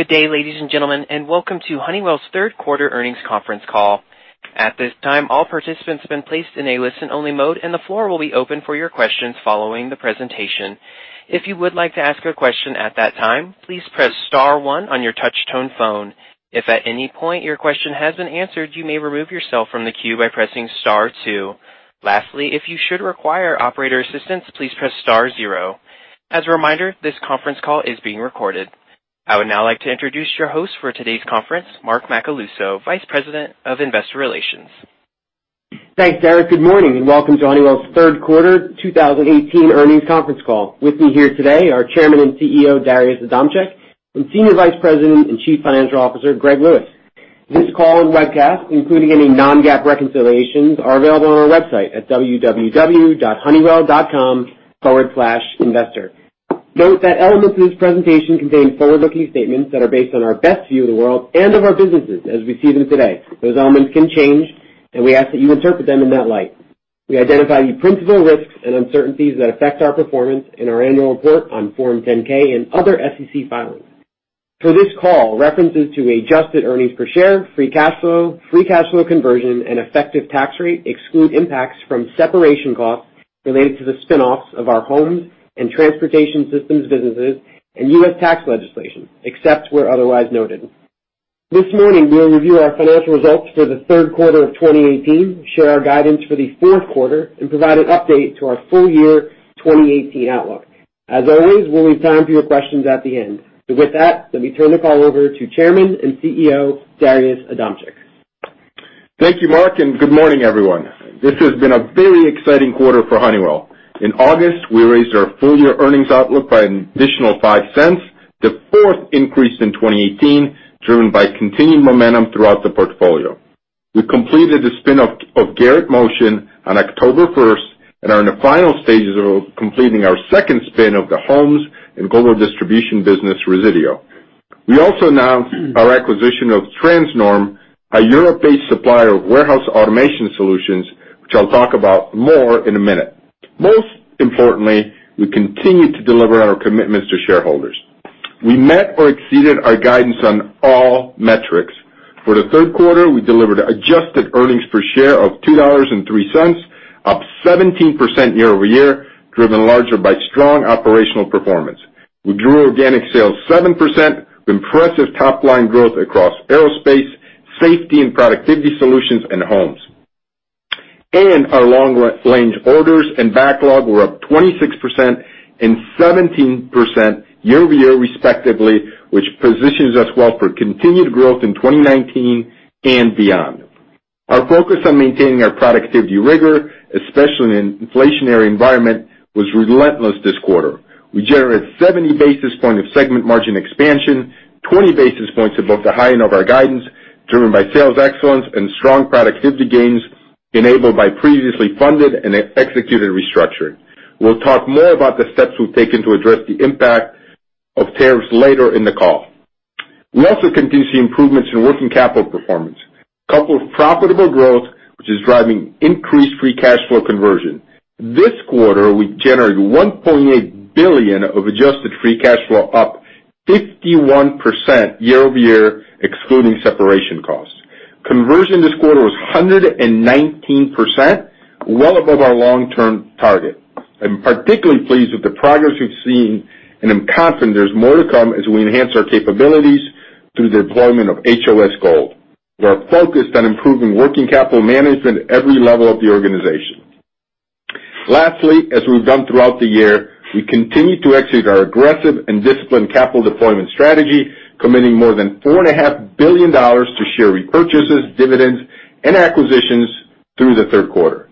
Good day, ladies and gentlemen, welcome to Honeywell's third quarter earnings conference call. At this time, all participants have been placed in a listen-only mode, and the floor will be open for your questions following the presentation. If you would like to ask a question at that time, please press star one on your touch-tone phone. If at any point your question has been answered, you may remove yourself from the queue by pressing star two. Lastly, if you should require operator assistance, please press star zero. As a reminder, this conference call is being recorded. I would now like to introduce your host for today's conference, Mark Macaluso, Vice President of Investor Relations. Thanks, Derek. Good morning, and welcome to Honeywell's third quarter 2018 earnings conference call. With me here today are Chairman and CEO, Darius Adamczyk, and Senior Vice President and Chief Financial Officer, Greg Lewis. This call and webcast, including any non-GAAP reconciliations, are available on our website at www.honeywell.com/investor. Note that elements of this presentation contain forward-looking statements that are based on our best view of the world and of our businesses as we see them today. Those elements can change, and we ask that you interpret them in that light. We identify the principal risks and uncertainties that affect our performance in our annual report on Form 10-K and other SEC filings. For this call, references to adjusted earnings per share, free cash flow, free cash flow conversion, and effective tax rate exclude impacts from separation costs related to the spin-offs of our homes and Transportation Systems businesses and U.S. tax legislation, except where otherwise noted. This morning, we'll review our financial results for the third quarter of 2018, share our guidance for the fourth quarter, and provide an update to our full year 2018 outlook. As always, we'll leave time for your questions at the end. With that, let me turn the call over to Chairman and CEO, Darius Adamczyk. Thank you, Mark, and good morning, everyone. This has been a very exciting quarter for Honeywell. In August, we raised our full-year earnings outlook by an additional $0.05, the fourth increase in 2018, driven larger by strong operational performance. We completed the spin of Garrett Motion on October 1st and are in the final stages of completing our second spin of the homes and global distribution business, Resideo. We also announced our acquisition of Transnorm, a Europe-based supplier of warehouse automation solutions, which I'll talk about more in a minute. Most importantly, we continue to deliver on our commitments to shareholders. We met or exceeded our guidance on all metrics. For the third quarter, we delivered adjusted earnings per share of $2.03, up 17% year-over-year, driven larger by strong operational performance. We grew organic sales 7% with impressive top-line growth across Aerospace, Safety and Productivity Solutions, and Homes. Our long-range orders and backlog were up 26% and 17% year-over-year respectively, which positions us well for continued growth in 2019 and beyond. Our focus on maintaining our productivity rigor, especially in an inflationary environment, was relentless this quarter. We generated 70 basis points of segment margin expansion, 20 basis points above the high end of our guidance, driven by sales excellence and strong productivity gains enabled by previously funded and executed restructuring. We will talk more about the steps we have taken to address the impact of tariffs later in the call. We also continue to see improvements in working capital performance, coupled with profitable growth, which is driving increased free cash flow conversion. This quarter, we generated $1.8 billion of adjusted free cash flow, up 51% year-over-year, excluding separation costs. Conversion this quarter was 119%, well above our long-term target. I am particularly pleased with the progress we have seen, and I am confident there is more to come as we enhance our capabilities through the deployment of HOS Gold. We are focused on improving working capital management at every level of the organization. Lastly, as we have done throughout the year, we continue to execute our aggressive and disciplined capital deployment strategy, committing more than $4.5 billion to share repurchases, dividends, and acquisitions through the third quarter.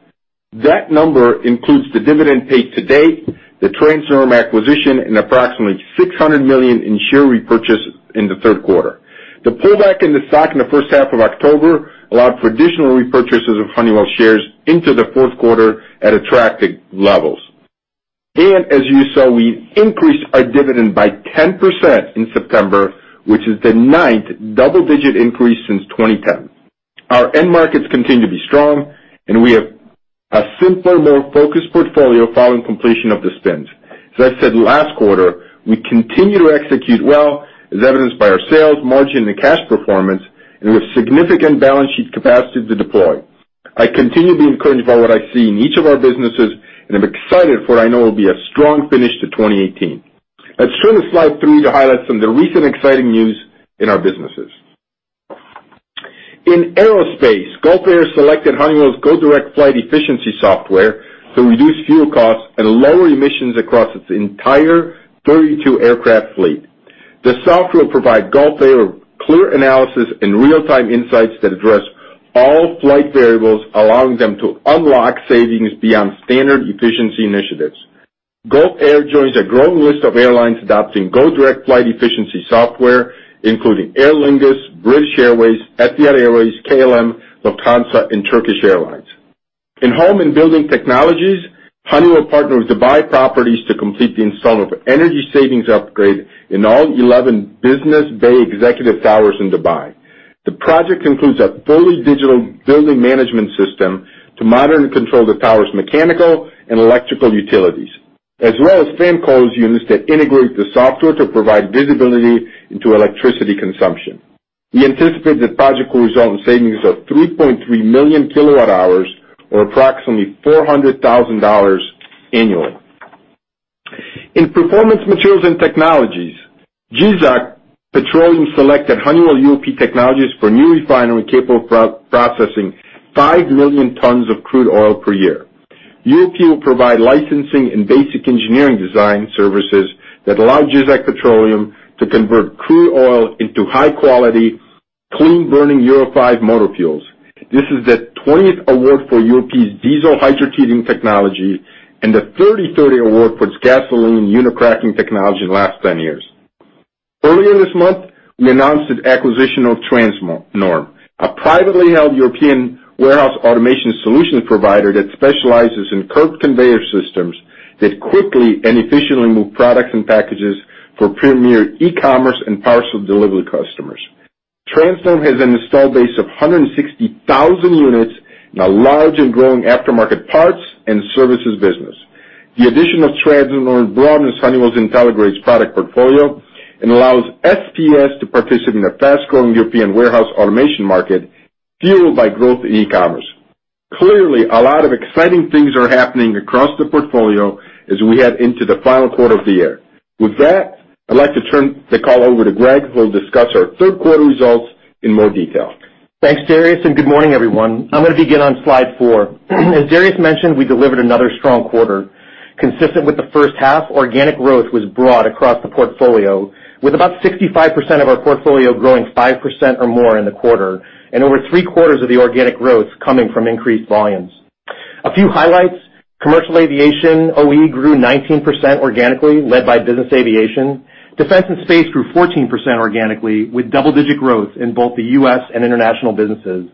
That number includes the dividend paid to date, the Transnorm acquisition, and approximately $600 million in share repurchase in the third quarter. The pullback in the stock in the first half of October allowed for additional repurchases of Honeywell shares into the fourth quarter at attractive levels. As you saw, we increased our dividend by 10% in September, which is the ninth double-digit increase since 2010. Our end markets continue to be strong, and we have a simpler, more focused portfolio following completion of the spins. As I said last quarter, we continue to execute well, as evidenced by our sales, margin, and cash performance, and with significant balance sheet capacity to deploy. I continue to be encouraged by what I see in each of our businesses, and I am excited for what I know will be a strong finish to 2018. Let us turn to slide three to highlight some of the recent exciting news in our businesses. In Aerospace, Gulf Air selected Honeywell's GoDirect Flight Efficiency software to reduce fuel costs and lower emissions across its entire 32-aircraft fleet. The software will provide Gulf Air clear analysis and real-time insights that address all flight variables, allowing them to unlock savings beyond standard efficiency initiatives. Gulf Air joins a growing list of airlines adopting GoDirect Flight Efficiency software, including Aer Lingus, British Airways, Etihad Airways, KLM, Lufthansa, and Turkish Airlines. In Home and Building Technologies, Honeywell partnered with Dubai Properties to complete the install of energy savings upgrade in all 11 Business Bay executive towers in Dubai. The project includes a fully digital building management system to monitor and control the tower's mechanical and electrical utilities, as well as fan coil units that integrate the software to provide visibility into electricity consumption. We anticipate that project will result in savings of 3.3 million kilowatt hours or approximately $400,000 annually. In Performance Materials and Technologies, Jizzakh Petroleum selected Honeywell UOP technologies for a new refinery capable of processing 5 million tons of crude oil per year. UOP will provide licensing and basic engineering design services that allow Jizzakh Petroleum to convert crude oil into high-quality, clean-burning Euro 5 motor fuels. This is the 20th award for UOP's diesel hydro treating technology and the 33rd award for its gasoline Unicracking technology in the last 10 years. Earlier this month, we announced the acquisition of Transnorm, a privately held European warehouse automation solutions provider that specializes in curved conveyor systems that quickly and efficiently move products and packages for premier e-commerce and parcel delivery customers. Transnorm has an installed base of 160,000 units and a large and growing aftermarket parts and services business. The addition of Transnorm broadens Honeywell's Intelligrated product portfolio and allows SPS to participate in a fast-growing European warehouse automation market fueled by growth in e-commerce. Clearly, a lot of exciting things are happening across the portfolio as we head into the final quarter of the year. With that, I'd like to turn the call over to Greg, who will discuss our third quarter results in more detail. Thanks, Darius, good morning, everyone. I'm going to begin on slide four. As Darius mentioned, we delivered another strong quarter. Consistent with the first half, organic growth was broad across the portfolio, with about 65% of our portfolio growing 5% or more in the quarter and over three-quarters of the organic growth coming from increased volumes. A few highlights. Commercial aviation OE grew 19% organically, led by business aviation. Defense and space grew 14% organically, with double-digit growth in both the U.S. and international businesses.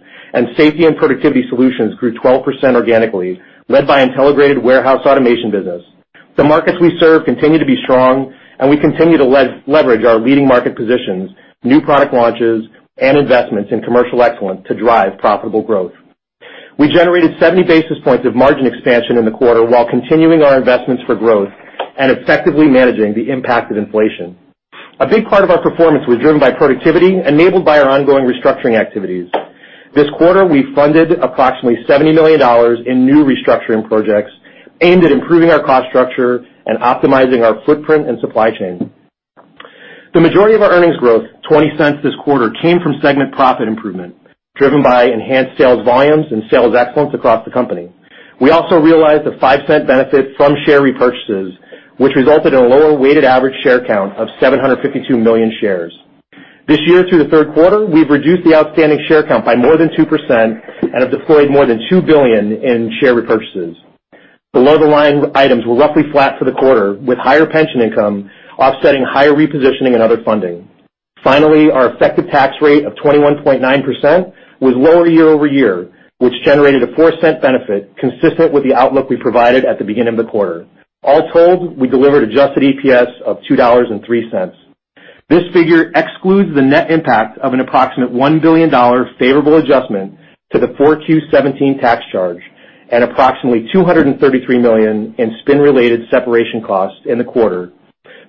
Safety and Productivity Solutions grew 12% organically, led by Intelligrated warehouse automation business. The markets we serve continue to be strong, and we continue to leverage our leading market positions, new product launches, and investments in commercial excellence to drive profitable growth. We generated 70 basis points of margin expansion in the quarter while continuing our investments for growth and effectively managing the impact of inflation. A big part of our performance was driven by productivity enabled by our ongoing restructuring activities. This quarter, we funded approximately $70 million in new restructuring projects aimed at improving our cost structure and optimizing our footprint and supply chain. The majority of our earnings growth, $0.20 this quarter, came from segment profit improvement, driven by enhanced sales volumes and sales excellence across the company. We also realized a $0.05 benefit from share repurchases, which resulted in a lower weighted average share count of 752 million shares. This year through the third quarter, we've reduced the outstanding share count by more than 2% and have deployed more than $2 billion in share repurchases. Below-the-line items were roughly flat for the quarter, with higher pension income offsetting higher repositioning and other funding. Our effective tax rate of 21.9% was lower year-over-year, which generated a $0.04 benefit consistent with the outlook we provided at the beginning of the quarter. All told, we delivered adjusted EPS of $2.03. This figure excludes the net impact of an approximate $1 billion favorable adjustment to the 4Q 2017 tax charge and approximately $233 million in spin-related separation costs in the quarter.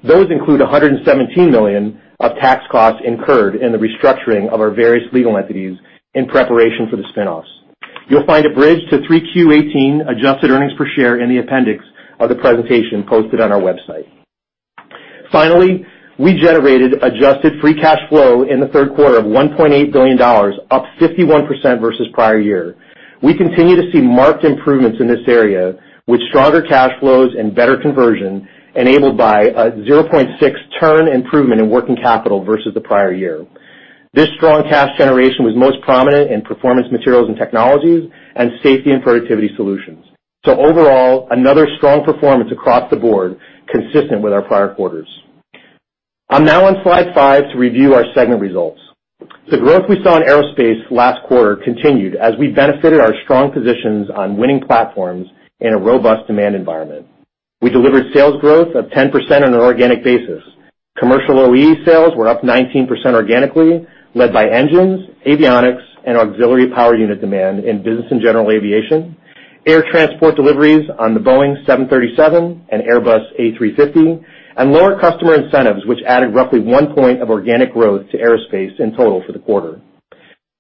Those include $117 million of tax costs incurred in the restructuring of our various legal entities in preparation for the spin-offs. You'll find a bridge to 3Q 2018 adjusted earnings per share in the appendix of the presentation posted on our website. We generated adjusted free cash flow in the third quarter of $1.8 billion, up 51% versus prior year. We continue to see marked improvements in this area, with stronger cash flows and better conversion enabled by a 0.6 turn improvement in working capital versus the prior year. This strong cash generation was most prominent in Performance Materials and Technologies and Safety and Productivity Solutions. Overall, another strong performance across the board consistent with our prior quarters. I'm now on slide five to review our segment results. The growth we saw in aerospace last quarter continued as we benefited our strong positions on winning platforms in a robust demand environment. We delivered sales growth of 10% on an organic basis. Commercial OE sales were up 19% organically, led by engines, avionics, and auxiliary power unit demand in business and general aviation, air transport deliveries on the Boeing 737 and Airbus A350, and lower customer incentives, which added roughly one point of organic growth to aerospace in total for the quarter.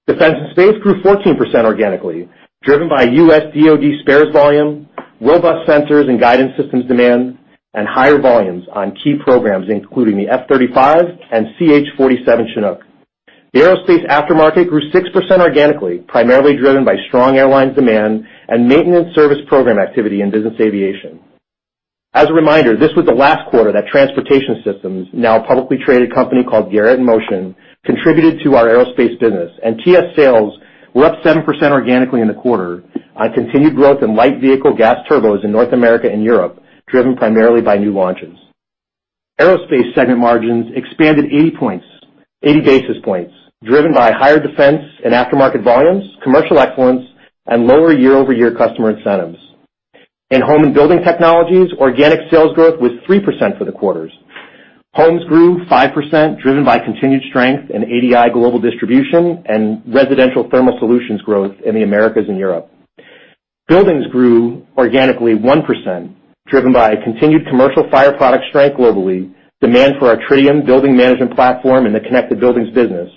Defense and space grew 14% organically, driven by U.S. DoD spares volume, robust sensors and guidance systems demand, and higher volumes on key programs, including the F-35 and CH-47 Chinook. The aerospace aftermarket grew 6% organically, primarily driven by strong airline demand and maintenance service program activity in business aviation. As a reminder, this was the last quarter that Transportation Systems, now a publicly traded company called Garrett Motion, contributed to our aerospace business, TS sales were up 7% organically in the quarter on continued growth in light vehicle gas turbos in North America and Europe, driven primarily by new launches. Aerospace segment margins expanded 80 basis points, driven by higher defense and aftermarket volumes, commercial excellence, and lower year-over-year customer incentives. In Home and Building Technologies, organic sales growth was 3% for the quarter. Homes grew 5%, driven by continued strength in ADI Global Distribution and residential thermal solutions growth in the Americas and Europe. Buildings grew organically 1%, driven by a continued commercial fire product strength globally, demand for our Tridium building management platform in the connected buildings business,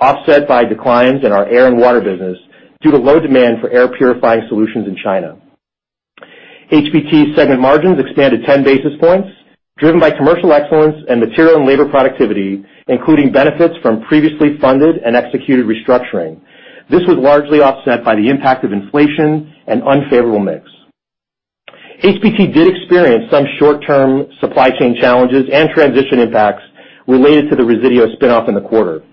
offset by declines in our air and water business due to low demand for air purifying solutions in China. HBT segment margins expanded 10 basis points, driven by commercial excellence and material and labor productivity, including benefits from previously funded and executed restructuring. This was largely offset by the impact of inflation and unfavorable mix. HBT did experience some short-term supply chain challenges and transition impacts related to the Resideo spin-off in the quarter.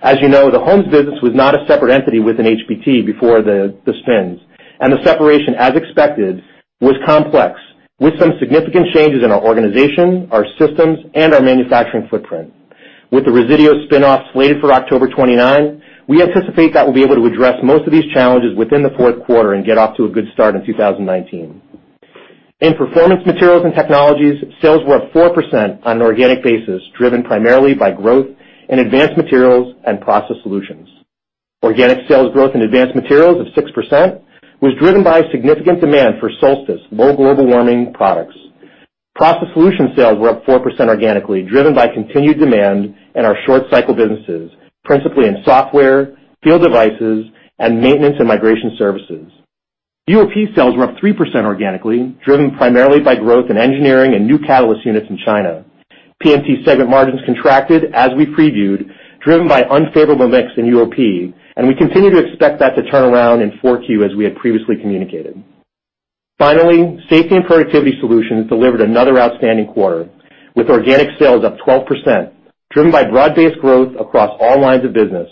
As you know, the homes business was not a separate entity within HBT before the spins, and the separation, as expected, was complex, with some significant changes in our organization, our systems, and our manufacturing footprint. With the Resideo spin-off slated for October 29, we anticipate that we'll be able to address most of these challenges within the fourth quarter and get off to a good start in 2019. In Performance Materials and Technologies, sales were up 4% on an organic basis, driven primarily by growth in advanced materials and process solutions. Organic sales growth in advanced materials of 6% was driven by significant demand for Solstice low global warming products. Process solutions sales were up 4% organically, driven by continued demand in our short cycle businesses, principally in software, field devices, and maintenance and migration services. UOP sales were up 3% organically, driven primarily by growth in engineering and new catalyst units in China. PMT segment margins contracted as we previewed, driven by unfavorable mix in UOP, and we continue to expect that to turn around in 4Q as we had previously communicated. Finally, Safety and Productivity Solutions delivered another outstanding quarter, with organic sales up 12%, driven by broad-based growth across all lines of business.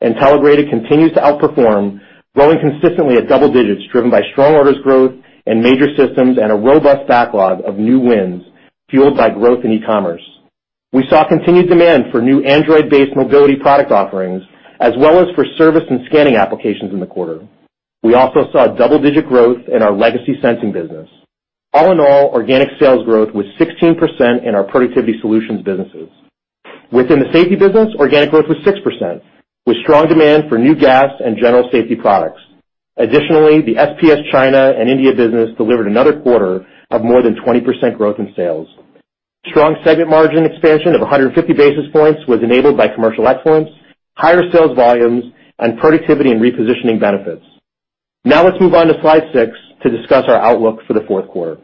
Intelligrated continues to outperform, growing consistently at double digits, driven by strong orders growth in major systems and a robust backlog of new wins fueled by growth in e-commerce. We saw continued demand for new Android-based mobility product offerings, as well as for service and scanning applications in the quarter. We also saw double-digit growth in our legacy sensing business. All in all, organic sales growth was 16% in our productivity solutions businesses. Within the safety business, organic growth was 6%, with strong demand for new gas and general safety products. Additionally, the SPS China and India business delivered another quarter of more than 20% growth in sales. Strong segment margin expansion of 150 basis points was enabled by commercial excellence, higher sales volumes, and productivity and repositioning benefits. Now let's move on to slide six to discuss our outlook for the fourth quarter.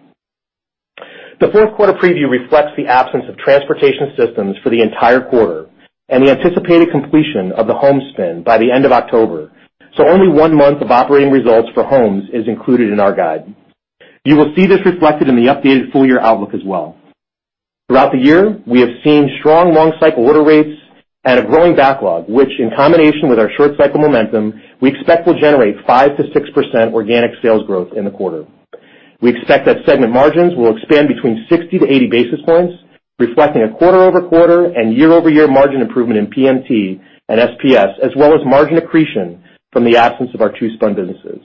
The fourth quarter preview reflects the absence of Transportation Systems for the entire quarter and the anticipated completion of the home spin by the end of October, so only one month of operating results for homes is included in our guide. You will see this reflected in the updated full-year outlook as well. Throughout the year, we have seen strong long-cycle order rates and a growing backlog, which, in combination with our short-cycle momentum, we expect will generate 5%-6% organic sales growth in the quarter. We expect that segment margins will expand between 60 to 80 basis points, reflecting a quarter-over-quarter and year-over-year margin improvement in PMT and SPS, as well as margin accretion from the absence of our two spun businesses.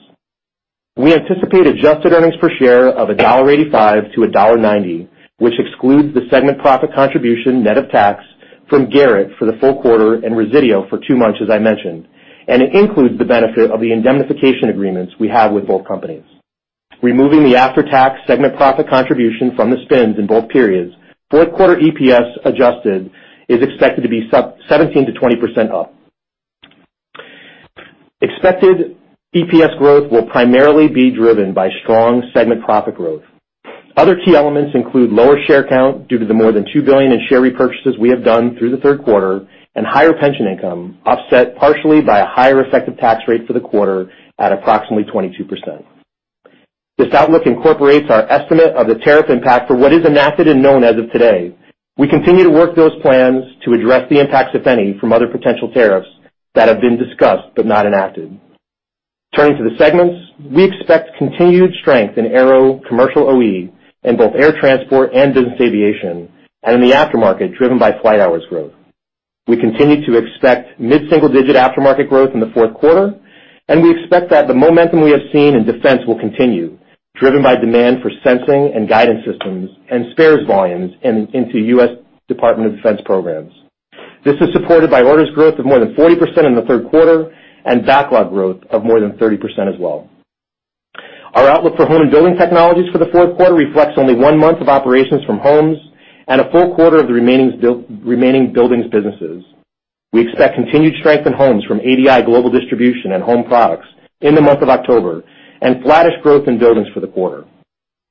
We anticipate adjusted earnings per share of $1.85-$1.90, which excludes the segment profit contribution net of tax from Garrett for the full quarter and Resideo for two months, as I mentioned, and it includes the benefit of the indemnification agreements we have with both companies. Removing the after-tax segment profit contribution from the spins in both periods, fourth quarter EPS adjusted is expected to be 17%-20% up. Expected EPS growth will primarily be driven by strong segment profit growth. Other key elements include lower share count due to the more than $2 billion in share repurchases we have done through the third quarter, and higher pension income offset partially by a higher effective tax rate for the quarter at approximately 22%. This outlook incorporates our estimate of the tariff impact for what is enacted and known as of today. We continue to work those plans to address the impacts, if any, from other potential tariffs that have been discussed but not enacted. Turning to the segments, we expect continued strength in Aero commercial OE in both air transport and business aviation and in the aftermarket, driven by flight hours growth. We continue to expect mid-single-digit aftermarket growth in the fourth quarter, and we expect that the momentum we have seen in Defense will continue, driven by demand for sensing and guidance systems and spares volumes into U.S. Department of Defense programs. This is supported by orders growth of more than 40% in the third quarter and backlog growth of more than 30% as well. Our outlook for Home and Building Technologies for the fourth quarter reflects only one month of operations from homes and a full quarter of the remaining buildings businesses. We expect continued strength in homes from ADI Global Distribution and home products in the month of October and flattish growth in buildings for the quarter.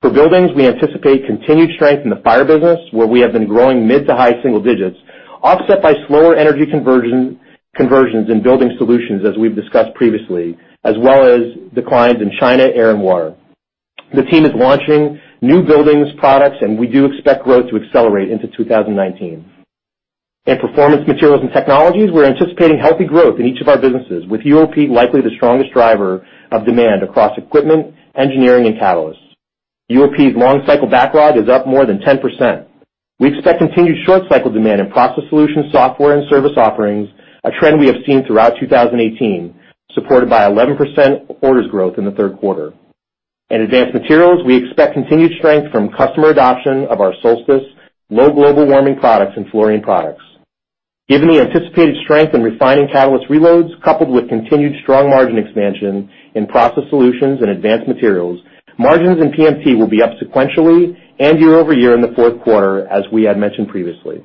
For buildings, we anticipate continued strength in the fire business, where we have been growing mid to high single digits, offset by slower energy conversions in building solutions as we've discussed previously, as well as declines in China air and water. The team is launching new buildings products, and we do expect growth to accelerate into 2019. In Performance Materials and Technologies, we're anticipating healthy growth in each of our businesses, with UOP likely the strongest driver of demand across equipment, engineering, and catalysts. UOP's long-cycle backlog is up more than 10%. We expect continued short cycle demand in Process Solutions software and service offerings, a trend we have seen throughout 2018, supported by 11% orders growth in the third quarter. In Advanced Materials, we expect continued strength from customer adoption of our Solstice, low global warming products and fluorine products. Given the anticipated strength in refining catalyst reloads, coupled with continued strong margin expansion in Process Solutions and Advanced Materials, margins in PMT will be up sequentially and year-over-year in the fourth quarter, as we had mentioned previously.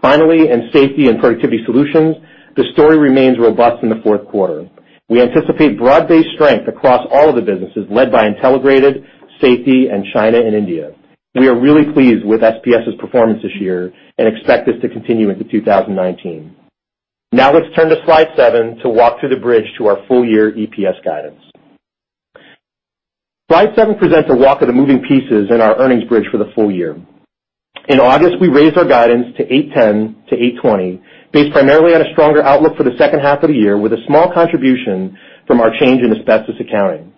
Finally, in Safety and Productivity Solutions, the story remains robust in the fourth quarter. We anticipate broad-based strength across all of the businesses led by Intelligrated, Safety, and China and India. We are really pleased with SPS's performance this year and expect this to continue into 2019. Now let's turn to slide seven to walk through the bridge to our full year EPS guidance. Slide seven presents a walk of the moving pieces in our earnings bridge for the full year. In August, we raised our guidance to $8.10 to $8.20, based primarily on a stronger outlook for the second half of the year, with a small contribution from our change in asbestos accounting.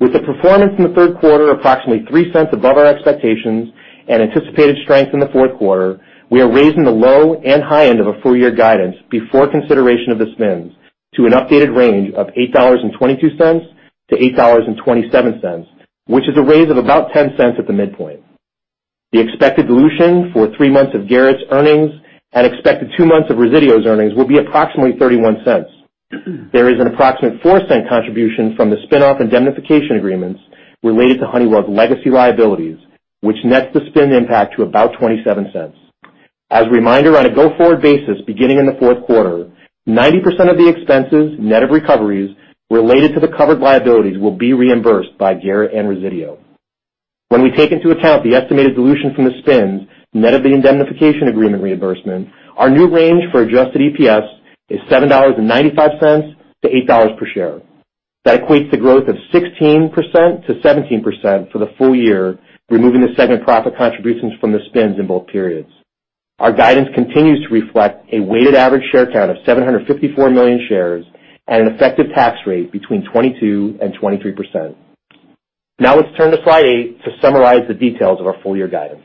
With the performance in the third quarter approximately $0.03 above our expectations and anticipated strength in the fourth quarter, we are raising the low and high end of a full year guidance before consideration of the spins to an updated range of $8.22 to $8.27, which is a raise of about $0.10 at the midpoint. The expected dilution for three months of Garrett's earnings and expected two months of Resideo's earnings will be approximately $0.31. There is an approximate $0.04 contribution from the spin-off indemnification agreements related to Honeywell's legacy liabilities, which nets the spin impact to about $0.27. As a reminder, on a go-forward basis, beginning in the fourth quarter, 90% of the expenses, net of recoveries, related to the covered liabilities will be reimbursed by Garrett and Resideo. When we take into account the estimated dilution from the spins, net of the indemnification agreement reimbursement, our new range for adjusted EPS is $7.95 to $8 per share. That equates to growth of 16%-17% for the full year, removing the segment profit contributions from the spins in both periods. Our guidance continues to reflect a weighted average share count of 754 million shares and an effective tax rate between 22% and 23%. Now let's turn to slide eight to summarize the details of our full year guidance.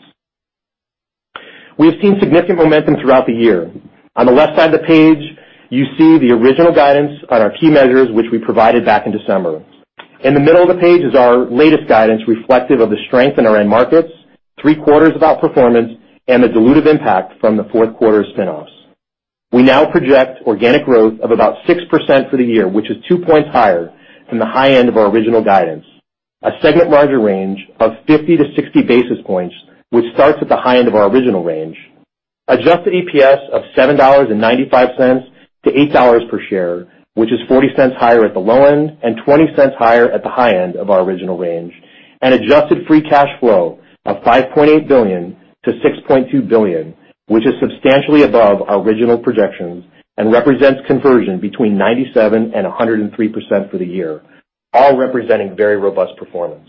We have seen significant momentum throughout the year. On the left side of the page, you see the original guidance on our key measures, which we provided back in December. In the middle of the page is our latest guidance reflective of the strength in our end markets, three quarters of outperformance, and the dilutive impact from the fourth quarter spin-offs. We now project organic growth of about 6% for the year, which is two points higher than the high end of our original guidance. A segment margin range of 50 to 60 basis points, which starts at the high end of our original range. Adjusted EPS of $7.95 to $8 per share, which is $0.40 higher at the low end and $0.20 higher at the high end of our original range. Adjusted free cash flow of $5.8 billion-$6.2 billion, which is substantially above our original projections and represents conversion between 97% and 103% for the year, all representing very robust performance.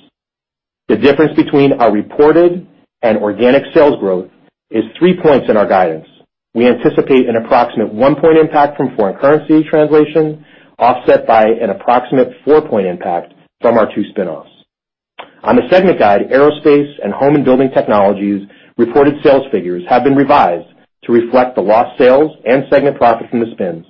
The difference between our reported and organic sales growth is 3 points in our guidance. We anticipate an approximate 1 point impact from foreign currency translation, offset by an approximate 4 point impact from our two spin-offs. On the segment guide, Aerospace and Home and Building Technologies reported sales figures have been revised to reflect the lost sales and segment profit from the spins.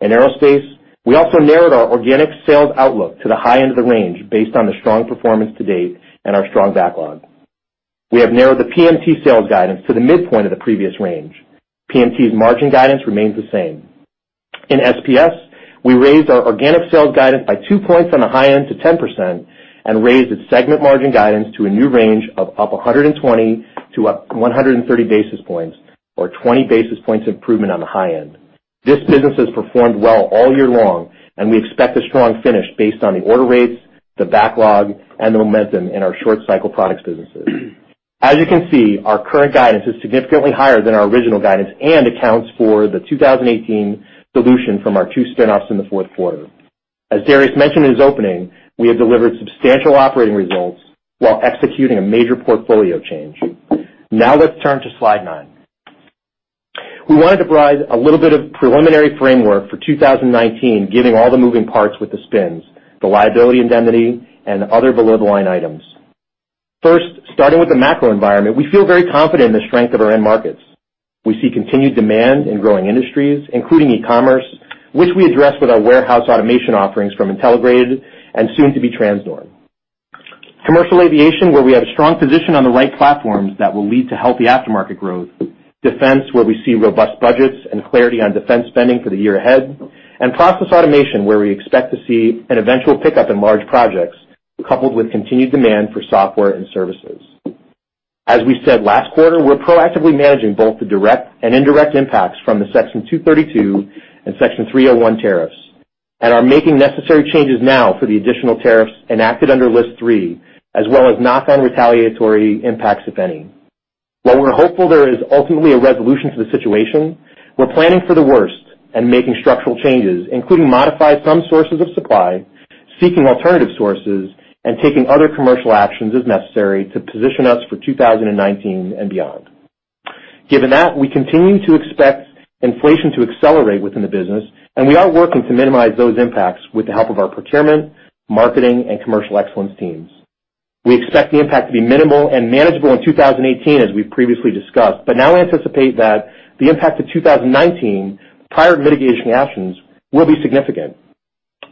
In Aerospace, we also narrowed our organic sales outlook to the high end of the range based on the strong performance to date and our strong backlog. We have narrowed the PMT sales guidance to the midpoint of the previous range. PMT's margin guidance remains the same. In SPS, we raised our organic sales guidance by 2 points on the high end to 10% and raised its segment margin guidance to a new range of up 120 to up 130 basis points, or 20 basis points improvement on the high end. This business has performed well all year long, and we expect a strong finish based on the order rates, the backlog, and the momentum in our short cycle products businesses. As you can see, our current guidance is significantly higher than our original guidance and accounts for the 2018 dilution from our two spin-offs in the fourth quarter. As Darius mentioned in his opening, we have delivered substantial operating results while executing a major portfolio change. Now let's turn to slide 9. We wanted to provide a little bit of preliminary framework for 2019, giving all the moving parts with the spins, the liability indemnity, and other below the line items. First, starting with the macro environment, we feel very confident in the strength of our end markets. We see continued demand in growing industries, including e-commerce, which we address with our warehouse automation offerings from Intelligrated and soon to be Transnorm. Commercial aviation, where we have a strong position on the right platforms that will lead to healthy aftermarket growth. Defense, where we see robust budgets and clarity on defense spending for the year ahead. Process automation, where we expect to see an eventual pickup in large projects, coupled with continued demand for software and services. As we said last quarter, we're proactively managing both the direct and indirect impacts from the Section 232 and Section 301 tariffs, are making necessary changes now for the additional tariffs enacted under List 3, as well as knock-on retaliatory impacts, if any. While we're hopeful there is ultimately a resolution to the situation, we're planning for the worst and making structural changes, including modify some sources of supply, seeking alternative sources, and taking other commercial actions as necessary to position us for 2019 and beyond. Given that, we continue to expect inflation to accelerate within the business, and we are working to minimize those impacts with the help of our procurement, marketing, and commercial excellence teams. We expect the impact to be minimal and manageable in 2018, as we've previously discussed, but now anticipate that the impact to 2019 prior to mitigation actions will be significant.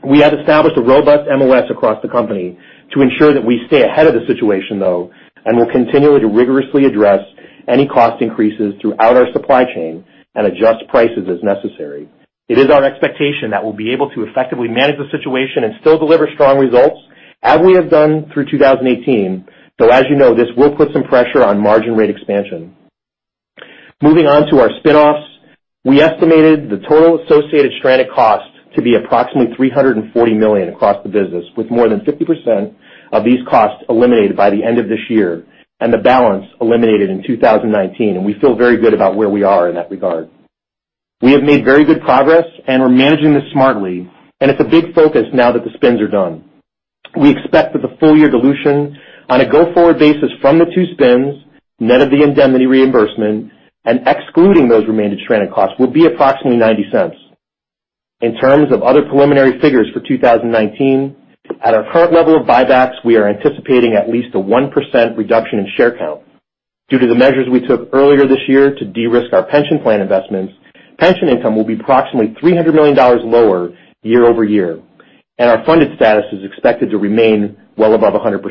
We have established a robust MOS across the company to ensure that we stay ahead of the situation, though, and will continue to rigorously address any cost increases throughout our supply chain and adjust prices as necessary. It is our expectation that we'll be able to effectively manage the situation and still deliver strong results as we have done through 2018, though, as you know, this will put some pressure on margin rate expansion. Moving on to our spinoffs. We estimated the total associated stranded cost to be approximately $340 million across the business, with more than 50% of these costs eliminated by the end of this year and the balance eliminated in 2019. We feel very good about where we are in that regard. We have made very good progress, and we're managing this smartly. It's a big focus now that the spins are done. We expect that the full year dilution on a go-forward basis from the two spins, net of the indemnity reimbursement, and excluding those remaining stranded costs, will be approximately $0.90. In terms of other preliminary figures for 2019, at our current level of buybacks, we are anticipating at least a 1% reduction in share count. Due to the measures we took earlier this year to de-risk our pension plan investments, pension income will be approximately $300 million lower year over year, and our funded status is expected to remain well above 100%.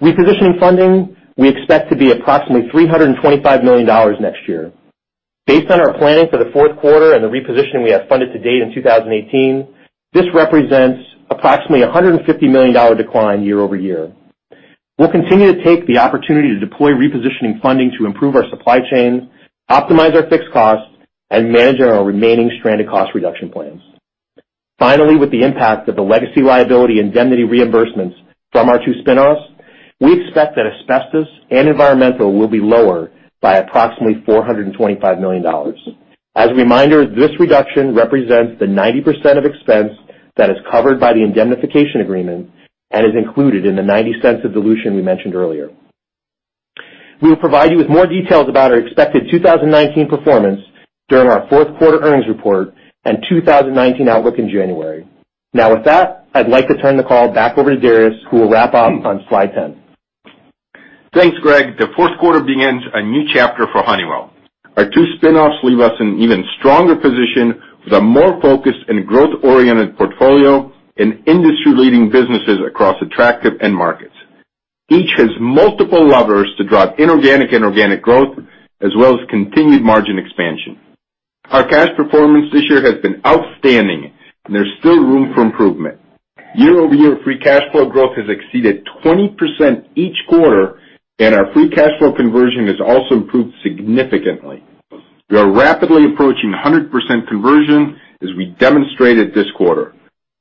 Repositioning funding we expect to be approximately $325 million next year. Based on our planning for the fourth quarter and the repositioning we have funded to date in 2018, this represents approximately a $150 million decline year over year. We'll continue to take the opportunity to deploy repositioning funding to improve our supply chain, optimize our fixed costs, and manage our remaining stranded cost reduction plans. Finally, with the impact of the legacy liability indemnity reimbursements from our two spinoffs, we expect that asbestos and environmental will be lower by approximately $425 million. As a reminder, this reduction represents the 90% of expense that is covered by the indemnification agreement and is included in the $0.90 of dilution we mentioned earlier. We will provide you with more details about our expected 2019 performance during our fourth quarter earnings report and 2019 outlook in January. With that, I'd like to turn the call back over to Darius, who will wrap up on slide 10. Thanks, Greg. The fourth quarter begins a new chapter for Honeywell. Our two spinoffs leave us in an even stronger position with a more focused and growth-oriented portfolio and industry leading businesses across attractive end markets. Each has multiple levers to drive inorganic and organic growth as well as continued margin expansion. Our cash performance this year has been outstanding, and there's still room for improvement. Year-over-year, free cash flow growth has exceeded 20% each quarter, and our free cash flow conversion has also improved significantly. We are rapidly approaching 100% conversion as we demonstrated this quarter.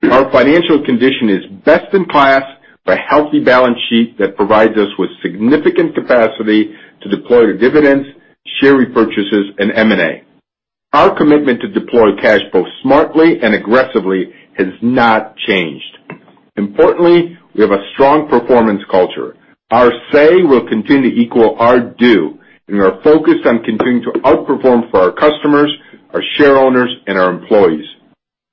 Our financial condition is best in class with a healthy balance sheet that provides us with significant capacity to deploy to dividends, share repurchases, and M&A. Our commitment to deploy cash both smartly and aggressively has not changed. Importantly, we have a strong performance culture. Our say will continue to equal our do. We are focused on continuing to outperform for our customers, our shareowners, and our employees.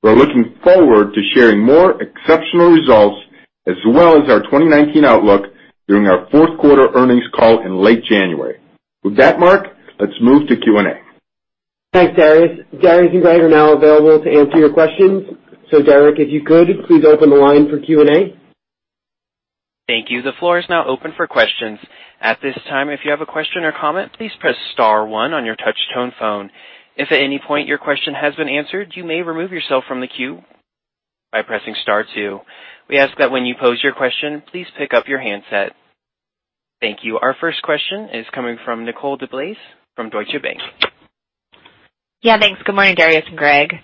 We're looking forward to sharing more exceptional results as well as our 2019 outlook during our fourth quarter earnings call in late January. With that, Mark, let's move to Q&A. Thanks, Darius. Darius and Greg are now available to answer your questions. Derek, if you could, please open the line for Q&A. Thank you. The floor is now open for questions. At this time, if you have a question or comment, please press star one on your touch tone phone. If at any point your question has been answered, you may remove yourself from the queue by pressing star two. We ask that when you pose your question, please pick up your handset. Thank you. Our first question is coming from Nicole DeBlase from Deutsche Bank. Yeah, thanks. Good morning, Darius and Greg.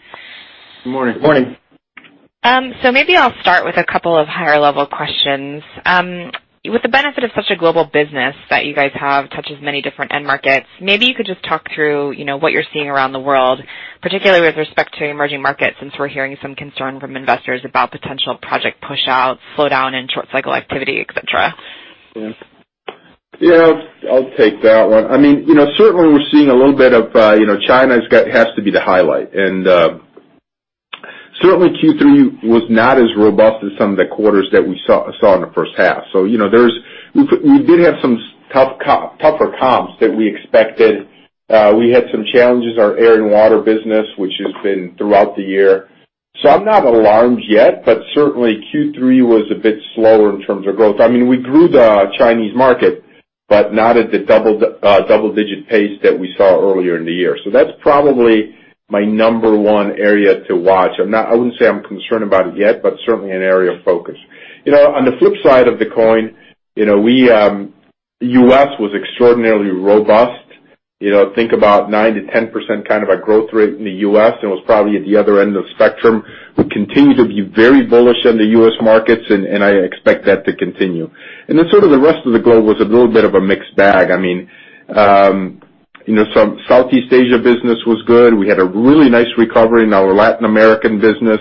Good morning. Morning. Maybe I'll start with a couple of higher level questions. With the benefit of such a global business that you guys have touches many different end markets, maybe you could just talk through, you know, what you're seeing around the world, particularly with respect to emerging markets, since we're hearing some concern from investors about potential project push out, slowdown in short cycle activity, et cetera. Yeah, I'll take that one. I mean, you know, certainly we're seeing a little bit of, you know, China's got has to be the highlight. Certainly Q3 was not as robust as some of the quarters that we saw in the first half. You know, we did have some tougher comps than we expected. We had some challenges, our air and water business, which has been throughout the year. I'm not alarmed yet, but certainly Q3 was a bit slower in terms of growth. I mean, we grew the Chinese market, but not at the double digit pace that we saw earlier in the year. That's probably my number 1 area to watch. I wouldn't say I'm concerned about it yet, but certainly an area of focus. You know, on the flip side of the coin, you know, we, the U.S. was extraordinarily robust. You know, think about 9%-10% kind of a growth rate in the U.S., and was probably at the other end of the spectrum. We continue to be very bullish on the U.S. markets, and I expect that to continue. Then sort of the rest of the globe was a little bit of a mixed bag. I mean, you know, some Southeast Asia business was good. We had a really nice recovery in our Latin American business.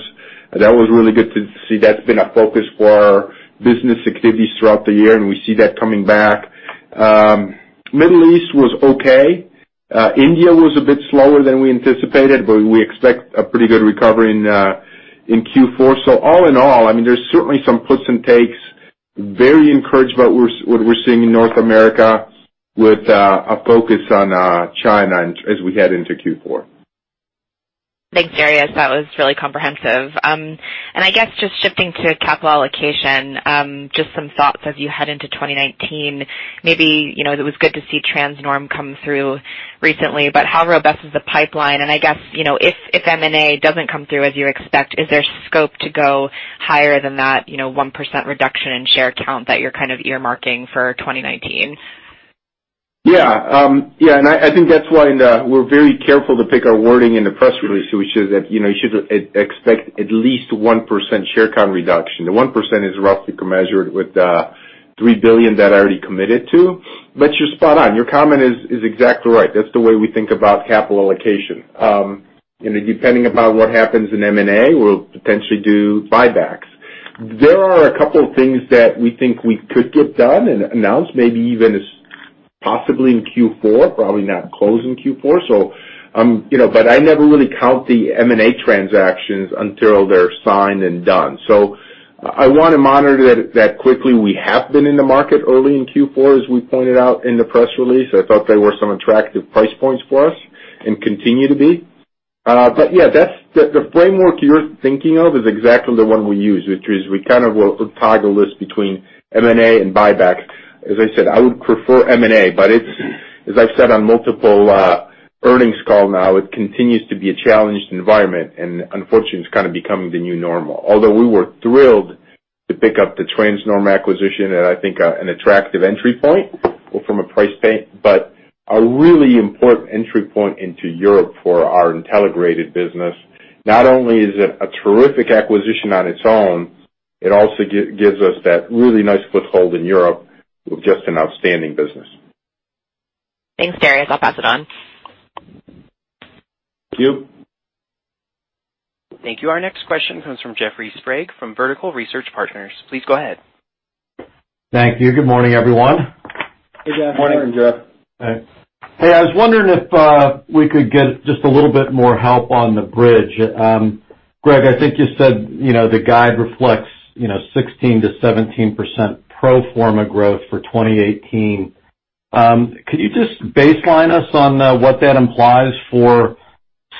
That was really good to see. That's been a focus for our business activities throughout the year, and we see that coming back. Middle East was okay. India was a bit slower than we anticipated, but we expect a pretty good recovery in Q4. All in all, there's certainly some puts and takes. Very encouraged by what we're seeing in North America with a focus on China as we head into Q4. Thanks, Darius. That was really comprehensive. I guess just shifting to capital allocation, just some thoughts as you head into 2019, maybe it was good to see Transnorm come through recently, but how robust is the pipeline? I guess, if M&A doesn't come through as you expect, is there scope to go higher than that 1% reduction in share count that you're earmarking for 2019? Yeah. I think that's why we're very careful to pick our wording in the press release, which is that you should expect at least 1% share count reduction. The 1% is roughly measured with the $3 billion that I already committed to. You're spot on. Your comment is exactly right. That's the way we think about capital allocation. Depending upon what happens in M&A, we'll potentially do buybacks. There are a couple things that we think we could get done and announce, maybe even as possibly in Q4, probably not close in Q4. I never really count the M&A transactions until they're signed and done. I want to monitor that quickly. We have been in the market early in Q4, as we pointed out in the press release. I thought there were some attractive price points for us and continue to be. Yeah, the framework you're thinking of is exactly the one we use, which is we kind of will tie the list between M&A and buybacks. As I said, I would prefer M&A, but as I've said on multiple earnings call now, it continues to be a challenged environment and unfortunately, it's kind of become the new normal. Although we were thrilled to pick up the Transnorm acquisition at, I think, an attractive entry point or from a price pay, but a really important entry point into Europe for our Intelligrated business. Not only is it a terrific acquisition on its own, it also gives us that really nice foothold in Europe with just an outstanding business. Thanks, Darius. I'll pass it on. Thank you. Thank you. Our next question comes from Jeffrey Sprague from Vertical Research Partners. Please go ahead. Thank you. Good morning, everyone. Good morning, Jeff. Hey. I was wondering if we could get just a little bit more help on the bridge. Greg, I think you said the guide reflects 16%-17% pro forma growth for 2018. Could you just baseline us on what that implies for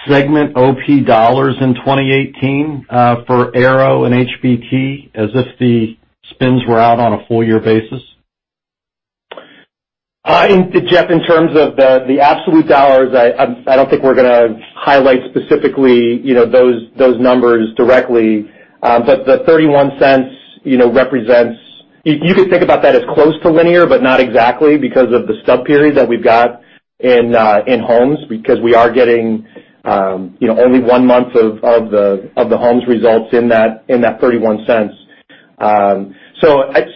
segment OP $ in 2018 for Aero and HBT as if the spins were out on a full year basis? Jeff, in terms of the absolute $, I don't think we're going to highlight specifically those numbers directly. The $0.31, you could think about that as close to linear, but not exactly because of the sub-period that we've got in Homes, because we are getting only one month of the Homes results in that $0.31.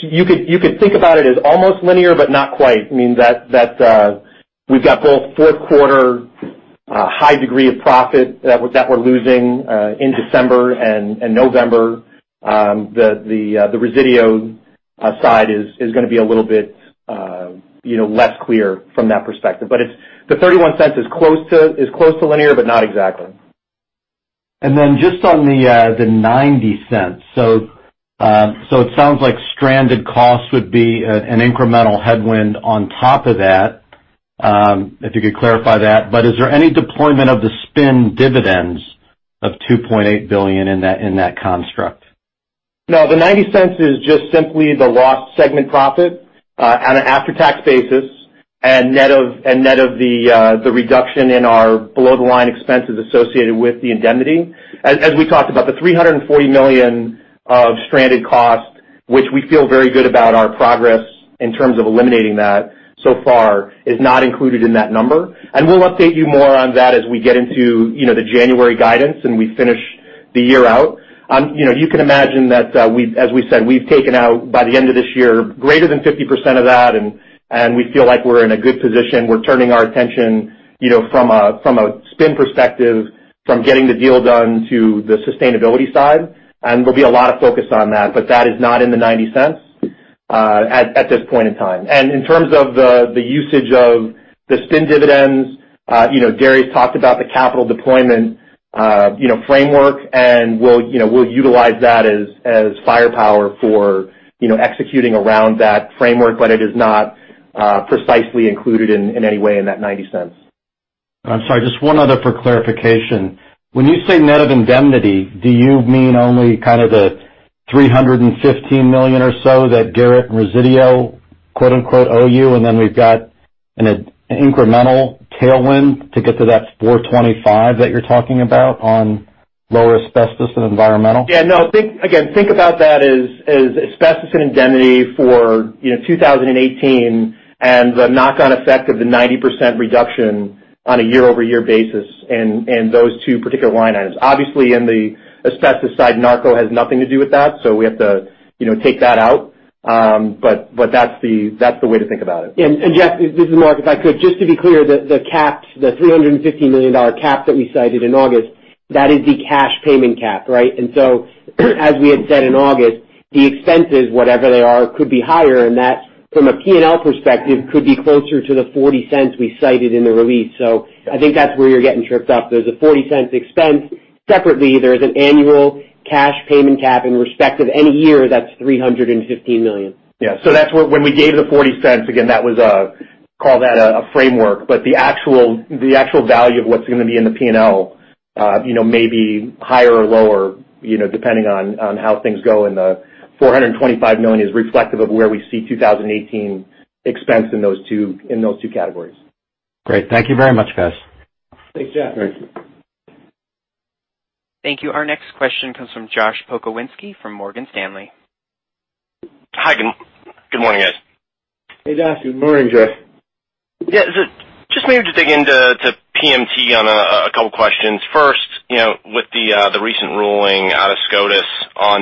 You could think about it as almost linear, but not quite, meaning that we've got both fourth quarter high degree of profit that we're losing in December and November. The Resideo side is going to be a little bit less clear from that perspective. The $0.31 is close to linear, but not exactly. Just on the $0.90. It sounds like stranded costs would be an incremental headwind on top of that, if you could clarify that. Is there any deployment of the spin dividends of $2.8 billion in that construct? No, the $0.90 is just simply the lost segment profit on an after-tax basis and net of the reduction in our below-the-line expenses associated with the indemnity. As we talked about, the $340 million of stranded costs, which we feel very good about our progress in terms of eliminating that so far, is not included in that number. We'll update you more on that as we get into the January guidance, and we finish the year out. You can imagine that, as we said, we've taken out, by the end of this year, greater than 50% of that, and we feel like we're in a good position. We're turning our attention from a spin perspective, from getting the deal done to the sustainability side, and there'll be a lot of focus on that. That is not in the $0.90 at this point in time. In terms of the usage of the spin dividends, Darius talked about the capital deployment framework. We'll utilize that as firepower for executing around that framework, it is not precisely included in any way in that $0.90. I'm sorry, just one other for clarification. When you say net of indemnity, do you mean only kind of the $315 million or so that Garrett and Resideo quote, unquote, "owe you," We've got an incremental tailwind to get to that $425 million that you're talking about on lower asbestos and environmental? no. Think about that as asbestos and indemnity for 2018 and the knock-on effect of the 90% reduction on a year-over-year basis and those two particular line items. Obviously, in the asbestos side, Narco has nothing to do with that, so we have to take that out. That's the way to think about it. Jeff, this is Mark, if I could, just to be clear, the $350 million cap that we cited in August, that is the cash payment cap, right? As we had said in August, the expenses, whatever they are, could be higher, and that from a P&L perspective, could be closer to the $0.40 we cited in the release. I think that's where you're getting tripped up. There's a $0.40 expense. Separately, there is an annual cash payment cap in respect of any year that's $315 million. When we gave the $0.40, call that a framework. The actual value of what's going to be in the P&L may be higher or lower, depending on how things go, and the $425 million is reflective of where we see 2018 expense in those two categories. Great. Thank you very much, guys. Thanks, Jeff. Thank you. Thank you. Our next question comes from Josh Pokrzywinski from Morgan Stanley. Hi, good morning, guys. Hey, Josh. Good morning, Josh. Just maybe to dig into PMT on a couple of questions. First, with the recent ruling out of SCOTUS on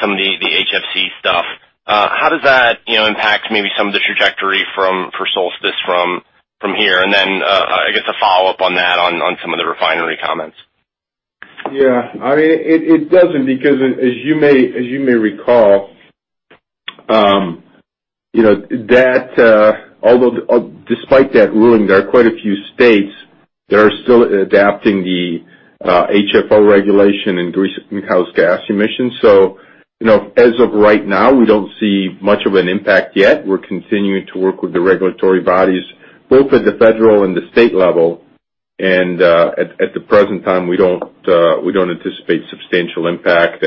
some of the HFC stuff, how does that impact maybe some of the trajectory for Solstice from here? And then, I guess a follow-up on that on some of the refinery comments. It doesn't, because as you may recall, despite that ruling, there are quite a few states that are still adapting the HFO regulation and reducing greenhouse gas emissions. As of right now, we don't see much of an impact yet. We're continuing to work with the regulatory bodies, both at the federal and the state level. At the present time, we don't anticipate substantial impact.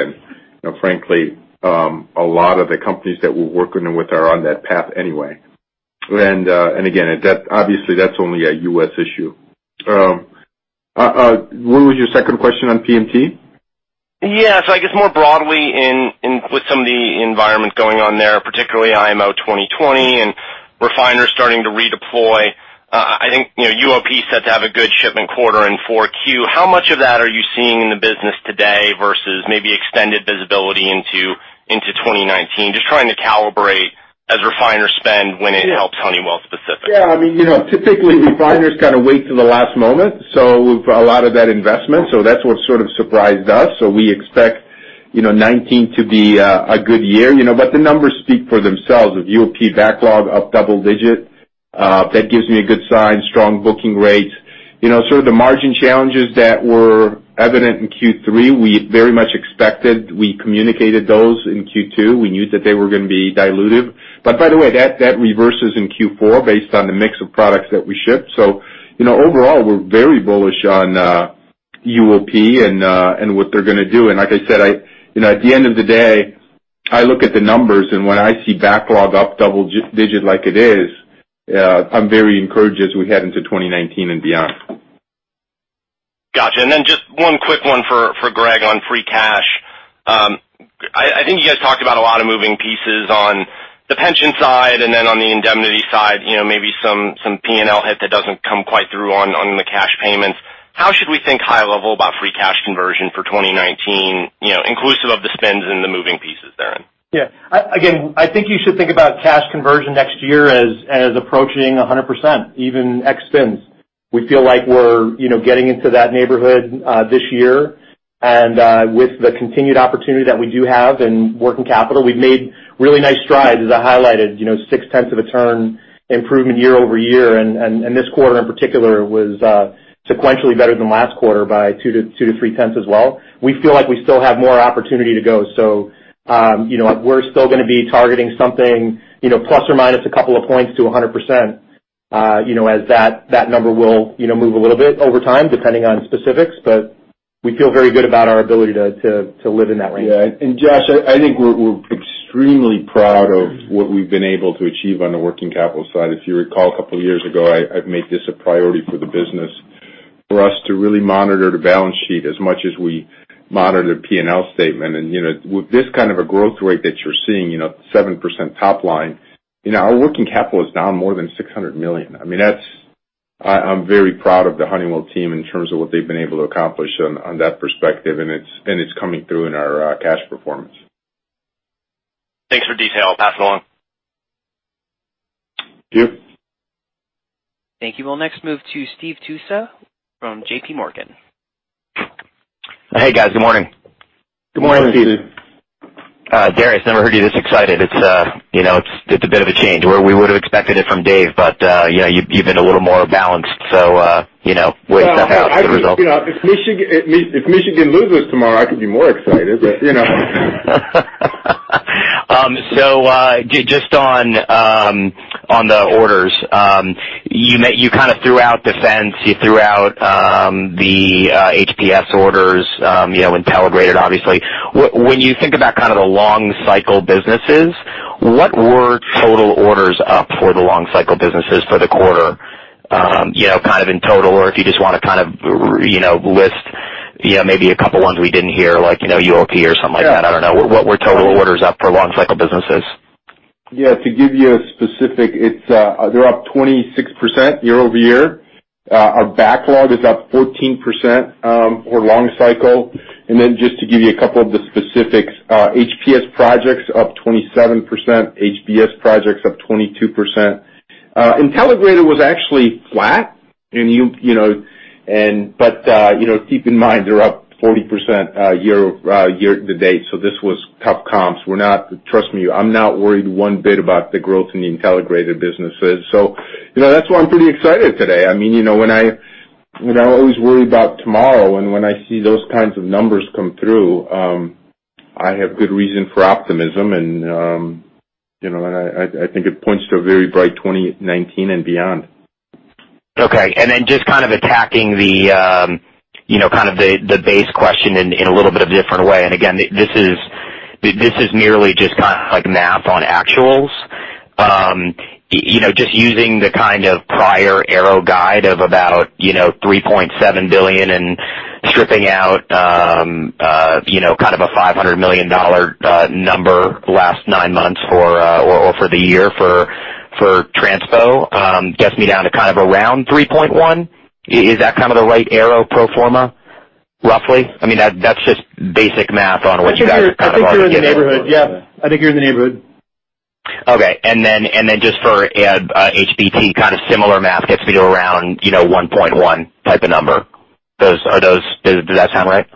Frankly, a lot of the companies that we're working with are on that path anyway. Again, obviously, that's only a U.S. issue. What was your second question on PMT? I guess more broadly with some of the environment going on there, particularly IMO 2020, and refiners starting to redeploy. I think UOP is set to have a good shipment quarter in 4Q. How much of that are you seeing in the business today versus maybe extended visibility into 2019? Just trying to calibrate as refiners spend when it helps Honeywell specifically. Yeah. Typically, refiners kind of wait till the last moment for a lot of that investment. That's what sort of surprised us. We expect 2019 to be a good year. The numbers speak for themselves. With UOP backlog up double digit, that gives me a good sign. Strong booking rates. Sort of the margin challenges that were evident in Q3, we very much expected. We communicated those in Q2. We knew that they were going to be dilutive. By the way, that reverses in Q4 based on the mix of products that we ship. Overall, we're very bullish on UOP and what they're going to do. Like I said, at the end of the day, I look at the numbers, and when I see backlog up double digit like it is, I'm very encouraged as we head into 2019 and beyond. Got you. Just one quick one for Greg on free cash. I think you guys talked about a lot of moving pieces on the pension side, and then on the indemnity side, maybe some P&L hit that doesn't come quite through on the cash payments. How should we think high level about free cash conversion for 2019, inclusive of the spends and the moving pieces therein? Yeah. Again, I think you should think about cash conversion next year as approaching 100%, even ex spends. We feel like we're getting into that neighborhood this year. With the continued opportunity that we do have in working capital, we've made really nice strides, as I highlighted, six tenths of a turn improvement year-over-year. This quarter in particular was sequentially better than last quarter by two to three tenths as well. We feel like we still have more opportunity to go. We're still going to be targeting something plus or minus a couple of points to 100%, as that number will move a little bit over time, depending on specifics. We feel very good about our ability to live in that range. Yeah. Josh, I think we're extremely proud of what we've been able to achieve on the working capital side. If you recall, a couple of years ago, I've made this a priority for the business for us to really monitor the balance sheet as much as we monitor the P&L statement. With this kind of a growth rate that you're seeing, 7% top line, our working capital is down more than $600 million. I'm very proud of the Honeywell team in terms of what they've been able to accomplish on that perspective, and it's coming through in our cash performance. Thanks for detail. I'll pass it along. Thank you. Thank you. We'll next move to Steve Tusa from J.P. Morgan. Hey, guys. Good morning. Good morning, Steve. Darius, never heard you this excited. It's a bit of a change. We would have expected it from Dave, but you've been a little more balanced. Weigh in on that, the results. If Michigan loses tomorrow, I could be more excited, but you know. Just on the orders. You kind of threw out defense, you threw out the HPS orders, Intelligrated, obviously. When you think about kind of the long cycle businesses, what were total orders up for the long cycle businesses for the quarter? Kind of in total, or if you just want to list maybe a couple ones we didn't hear, like UOP or something like that. I don't know. What were total orders up for long cycle businesses? Yeah. To give you a specific, they're up 26% year-over-year. Our backlog is up 14% for long cycle. Just to give you a couple of the specifics, HPS projects up 27%, HBS projects up 22%. Intelligrated was actually flat, keep in mind, they're up 40% year to date, this was tough comps. Trust me, I'm not worried one bit about the growth in the Intelligrated businesses. That's why I'm pretty excited today. I always worry about tomorrow, when I see those kinds of numbers come through, I have good reason for optimism, and I think it points to a very bright 2019 and beyond. Okay. Just kind of attacking the base question in a little bit of a different way, again, this is merely just kind of like math on actuals. Just using the kind of prior Aero guide of about $3.7 billion and stripping out kind of a $500 million number the last nine months or for the year for transpo gets me down to kind of around $3.1 billion. Is that kind of the right Aero pro forma, roughly? That's just basic math on what you guys kind of already gave us. I think you're in the neighborhood. Yeah. I think you're in the neighborhood. Okay. Just for HBT, kind of similar math gets me to around $1.1 billion type of number. Does that sound right?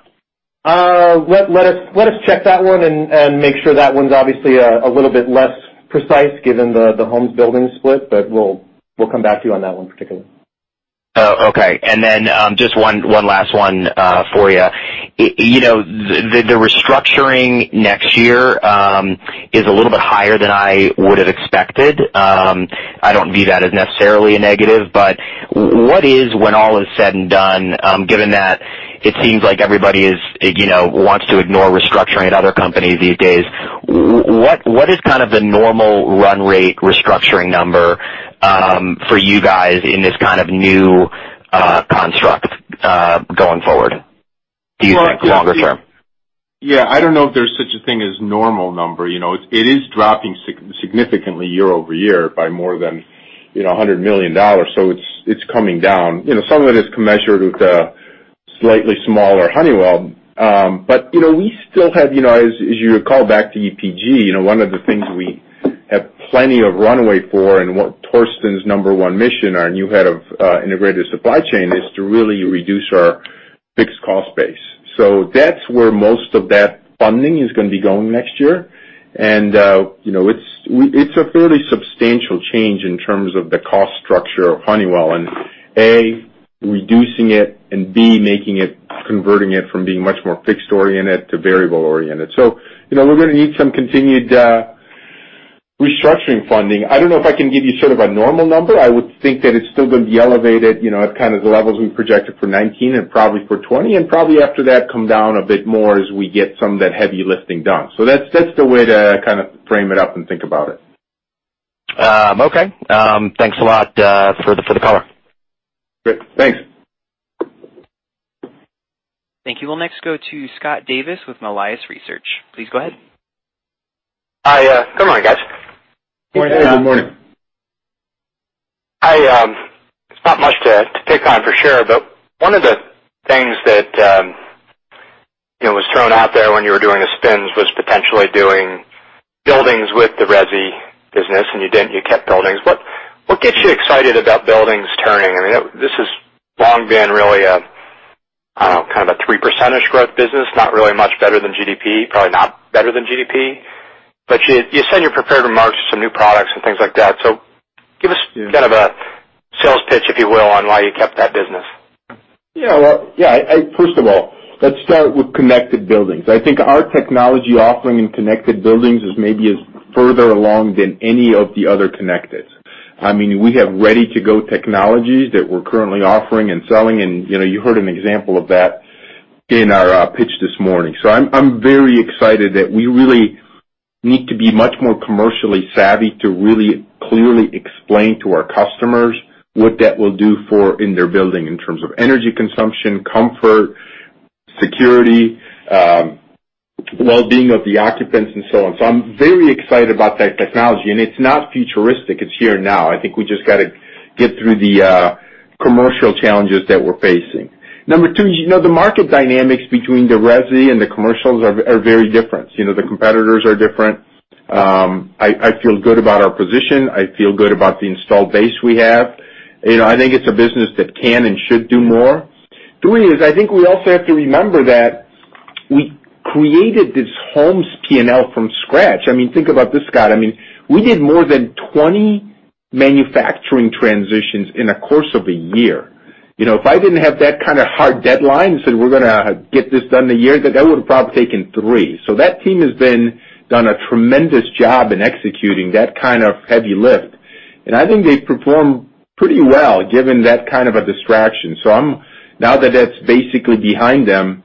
Let us check that one and make sure. That one's obviously a little bit less precise given the homes building split, we'll come back to you on that one particularly. Oh, okay. Just one last one for you. The restructuring next year is a little bit higher than I would've expected. I don't view that as necessarily a negative, what is, when all is said and done, given that it seems like everybody wants to ignore restructuring at other companies these days. What is kind of the normal run rate restructuring number for you guys in this kind of new construct, going forward, do you think, longer term? Yeah. I don't know if there's such a thing as normal number. It is dropping significantly year-over-year by more than $100 million. It's coming down. Some of it is commensurate with the slightly smaller Honeywell. We still have, as you recall back to EPG, one of the things we have plenty of runway for and Torsten's number one mission, our new head of integrated supply chain, is to really reduce our fixed cost base. That's where most of that funding is going to be going next year. It's a fairly substantial change in terms of the cost structure of Honeywell and, A, reducing it, and B, converting it from being much more fixed-oriented to variable-oriented. We're going to need some continued restructuring funding. I don't know if I can give you sort of a normal number. I would think that it's still going to be elevated at kind of the levels we projected for 2019 and probably for 2020, probably after that come down a bit more as we get some of that heavy lifting done. That's the way to kind of frame it up and think about it. Okay. Thanks a lot for the call. Great. Thanks. Thank you. We'll next go to Scott Davis with Melius Research. Please go ahead. Hi. Good morning, guys. Good morning. Good morning. It's not much to take on for sure. One of the things that was thrown out there when you were doing the spins was potentially doing buildings with the Resideo business, and you didn't, you kept buildings. What gets you excited about buildings turning? This has long been really a, I don't know, kind of a 3% growth business, not really much better than GDP, probably not better than GDP. You said in your prepared remarks some new products and things like that. Give us kind of a sales pitch, if you will, on why you kept that business. Yeah. First of all, let's start with connected buildings. I think our technology offering in connected buildings is further along than any of the other connecteds. We have ready-to-go technologies that we're currently offering and selling, and you heard an example of that in our pitch this morning. I'm very excited that we really need to be much more commercially savvy to really clearly explain to our customers what that will do for in their building in terms of energy consumption, comfort, security, wellbeing of the occupants, and so on. I'm very excited about that technology, and it's not futuristic. It's here now. I think we just got to get through the commercial challenges that we're facing. Number 2, the market dynamics between the Resideo and the commercials are very different. The competitors are different. I feel good about our position. I feel good about the installed base we have. I think it's a business that can and should do more. 3 is, I think we also have to remember that we created this homes P&L from scratch. Think about this, Scott. We did more than 20 manufacturing transitions in a course of a year. If I didn't have that kind of hard deadline, said we're going to get this done in a year, that would've probably taken 3. That team has done a tremendous job in executing that kind of heavy lift. I think they've performed pretty well given that kind of a distraction. Now that that's basically behind them,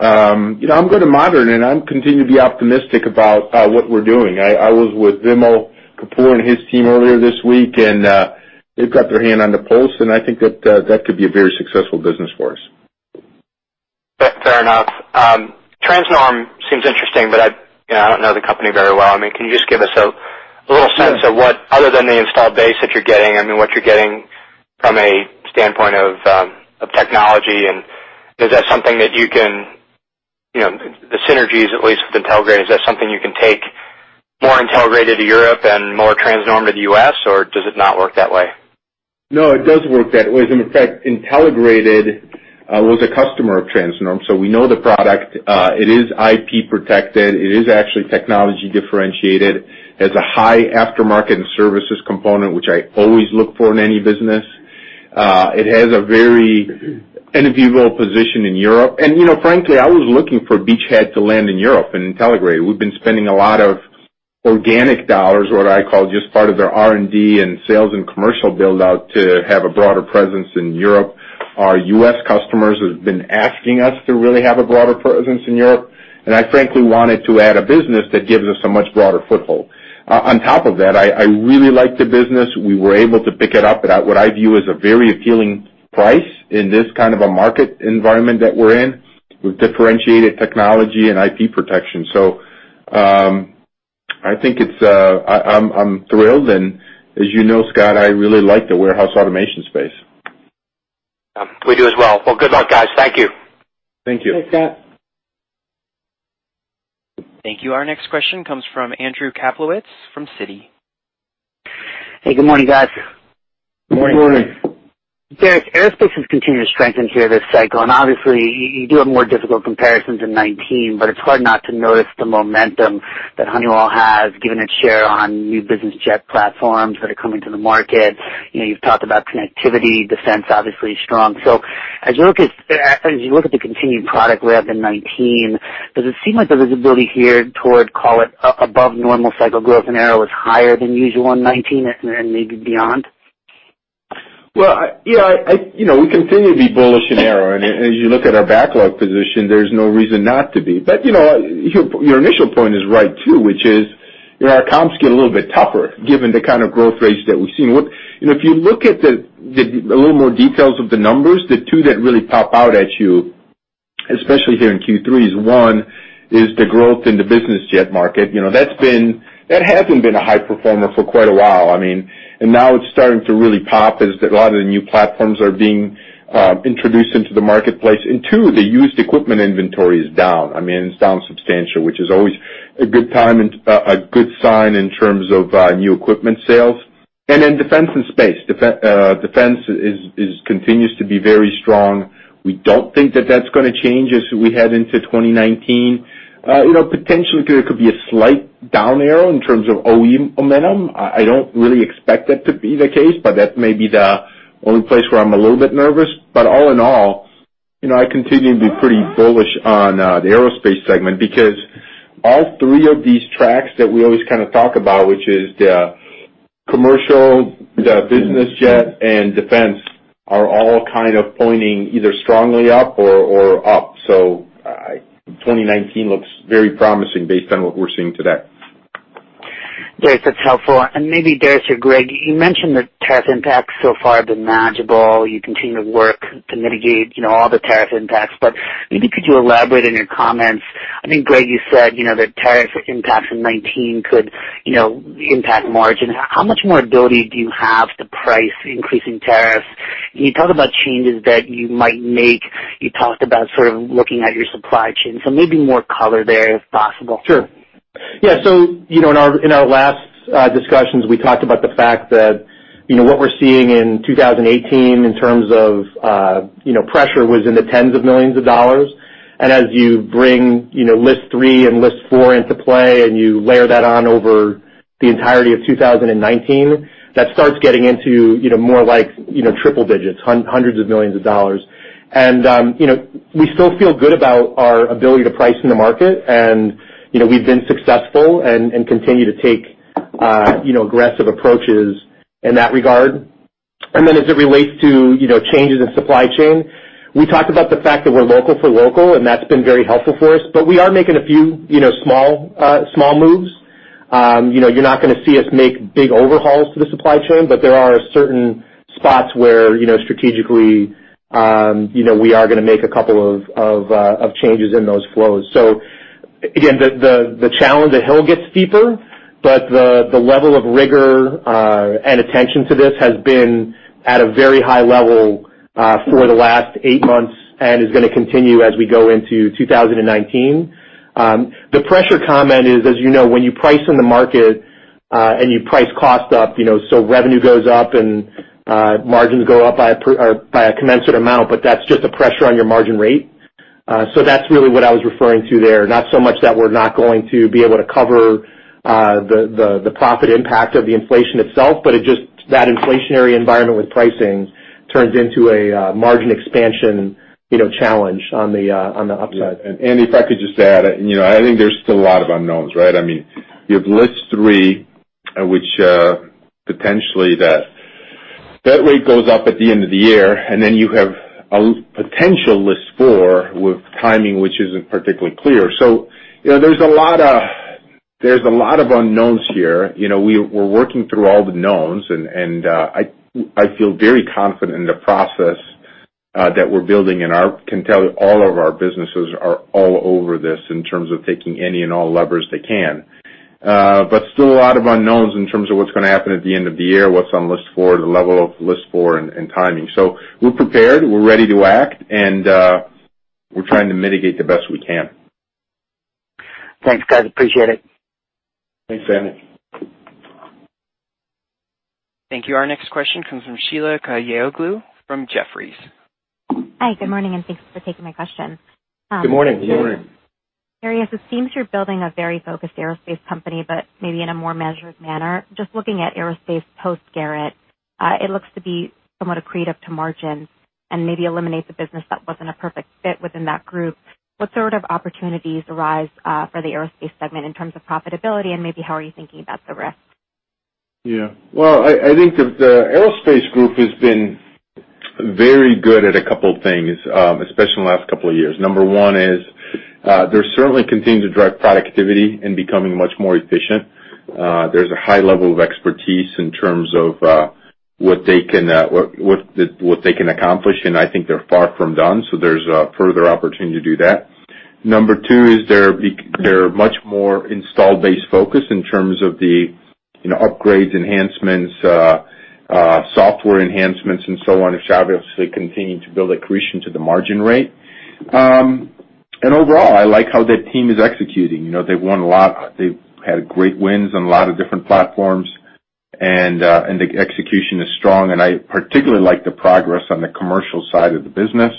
I'm going to monitor it and I'm continuing to be optimistic about what we're doing. I was with Vimal Kapur and his team earlier this week. They've got their hand on the pulse, I think that that could be a very successful business for us. Fair enough. Transnorm seems interesting, I don't know the company very well. Can you just give us a little sense of what, other than the installed base that you're getting, what you're getting from a standpoint of technology? Is that something that you can, the synergies, at least with Intelligrated, is that something you can take more Intelligrated to Europe and more Transnorm to the U.S., or does it not work that way? No, it does work that way. As a matter of fact, Intelligrated was a customer of Transnorm, we know the product. It is IP protected. It is actually technology differentiated. Has a high aftermarket and services component, which I always look for in any business. It has a very enviable position in Europe. Frankly, I was looking for a beachhead to land in Europe in Intelligrated. We've been spending a lot of organic dollars, what I call just part of their R&D and sales and commercial build-out to have a broader presence in Europe. Our U.S. customers have been asking us to really have a broader presence in Europe, I frankly wanted to add a business that gives us a much broader foothold. On top of that, I really like the business. We were able to pick it up at what I view as a very appealing price in this kind of a market environment that we're in, with differentiated technology and IP protection. I'm thrilled, and as you know, Scott, I really like the warehouse automation space. We do as well. Good luck, guys. Thank you. Thank you. Thanks, Scott. Thank you. Our next question comes from Andrew Kaplowitz from Citi. Hey, good morning, guys. Good morning. Good morning. Darius, aerospace has continued to strengthen here this cycle, and obviously you do have more difficult comparisons in 2019, but it's hard not to notice the momentum that Honeywell has, given its share on new business jet platforms that are coming to the market. You've talked about connectivity, defense obviously strong. As you look at the continued product ramp in 2019, does it seem like the visibility here toward, call it, above normal cycle growth in Aero is higher than usual in 2019 and maybe beyond? We continue to be bullish in Aero, as you look at our backlog position, there's no reason not to be. Your initial point is right, too, which is our comps get a little bit tougher given the kind of growth rates that we've seen. If you look at a little more details of the numbers, the two that really pop out at you, especially here in Q3, is one, is the growth in the business jet market. That hasn't been a high performer for quite a while. Now it's starting to really pop as a lot of the new platforms are being introduced into the marketplace. Two, the used equipment inventory is down. It's down substantially, which is always a good sign in terms of new equipment sales. Then Defense and Space. Defense continues to be very strong. We don't think that that's going to change as we head into 2019. Potentially, there could be a slight down arrow in terms of OE momentum. I don't really expect that to be the case, but that may be the only place where I'm a little bit nervous. All in all, I continue to be pretty bullish on the Aerospace segment because all three of these tracks that we always kind of talk about, which is the commercial, the business jet, and Defense, are all kind of pointing either strongly up or up. 2019 looks very promising based on what we're seeing today. Great. That's helpful. Maybe Darius or Greg, you mentioned that tariff impacts so far have been manageable. You continue to work to mitigate all the tariff impacts. Maybe could you elaborate in your comments? I think, Greg, you said that tariffs impacts in 2019 could impact margin. How much more ability do you have to price increasing tariffs? Can you talk about changes that you might make? You talked about sort of looking at your supply chain, maybe more color there if possible. Sure. Yeah. In our last discussions, we talked about the fact that what we're seeing in 2018 in terms of pressure was in the tens of millions of dollars. As you bring List 3 and List 4 into play, and you layer that on over the entirety of 2019, that starts getting into more like triple digits, hundreds of millions of dollars. We still feel good about our ability to price in the market, and we've been successful and continue to take aggressive approaches in that regard. As it relates to changes in supply chain, we talked about the fact that we're local for local, and that's been very helpful for us, but we are making a few small moves. You're not going to see us make big overhauls to the supply chain, but there are certain spots where strategically we are going to make a couple of changes in those flows. Again, the challenge, the hill gets steeper, but the level of rigor and attention to this has been at a very high level for the last 8 months and is going to continue as we go into 2019. The pressure comment is, as you know, when you price in the market and you price cost up, revenue goes up and margins go up by a commensurate amount, but that's just a pressure on your margin rate. That's really what I was referring to there. Not so much that we're not going to be able to cover the profit impact of the inflation itself, it just that inflationary environment with pricing turns into a margin expansion challenge on the upside. Yeah. Andy, if I could just add, I think there's still a lot of unknowns, right? You have List 3, which potentially that rate goes up at the end of the year, and then you have a potential List 4 with timing, which isn't particularly clear. There's a lot of unknowns here. We're working through all the knowns, and I feel very confident in the process that we're building, and I can tell all of our businesses are all over this in terms of taking any and all levers they can. Still a lot of unknowns in terms of what's going to happen at the end of the year, what's on List 4, the level of List 4 and timing. We're prepared, we're ready to act, and we're trying to mitigate the best we can. Thanks, guys. Appreciate it. Thanks, Andy. Thank you. Our next question comes from Sheila Kahyaoglu from Jefferies. Hi, good morning. Thanks for taking my question. Good morning. Good morning. Darius, it seems you're building a very focused Aerospace company. Maybe in a more measured manner. Just looking at Aerospace post-Garrett, it looks to be somewhat accretive to margins and maybe eliminates a business that wasn't a perfect fit within that group. What sort of opportunities arise for the Aerospace segment in terms of profitability and maybe how are you thinking about the rest? Well, I think that the Aerospace group has been very good at a couple of things, especially in the last couple of years. Number one is, they're certainly continuing to drive productivity and becoming much more efficient. There's a high level of expertise in terms of what they can accomplish, and I think they're far from done, so there's a further opportunity to do that. Number two is they're much more install-based focus in terms of the upgrades, enhancements, software enhancements, and so on, which obviously continue to build accretion to the margin rate. Overall, I like how that team is executing. They've won a lot. They've had great wins on a lot of different platforms, and the execution is strong. I particularly like the progress on the commercial side of the business.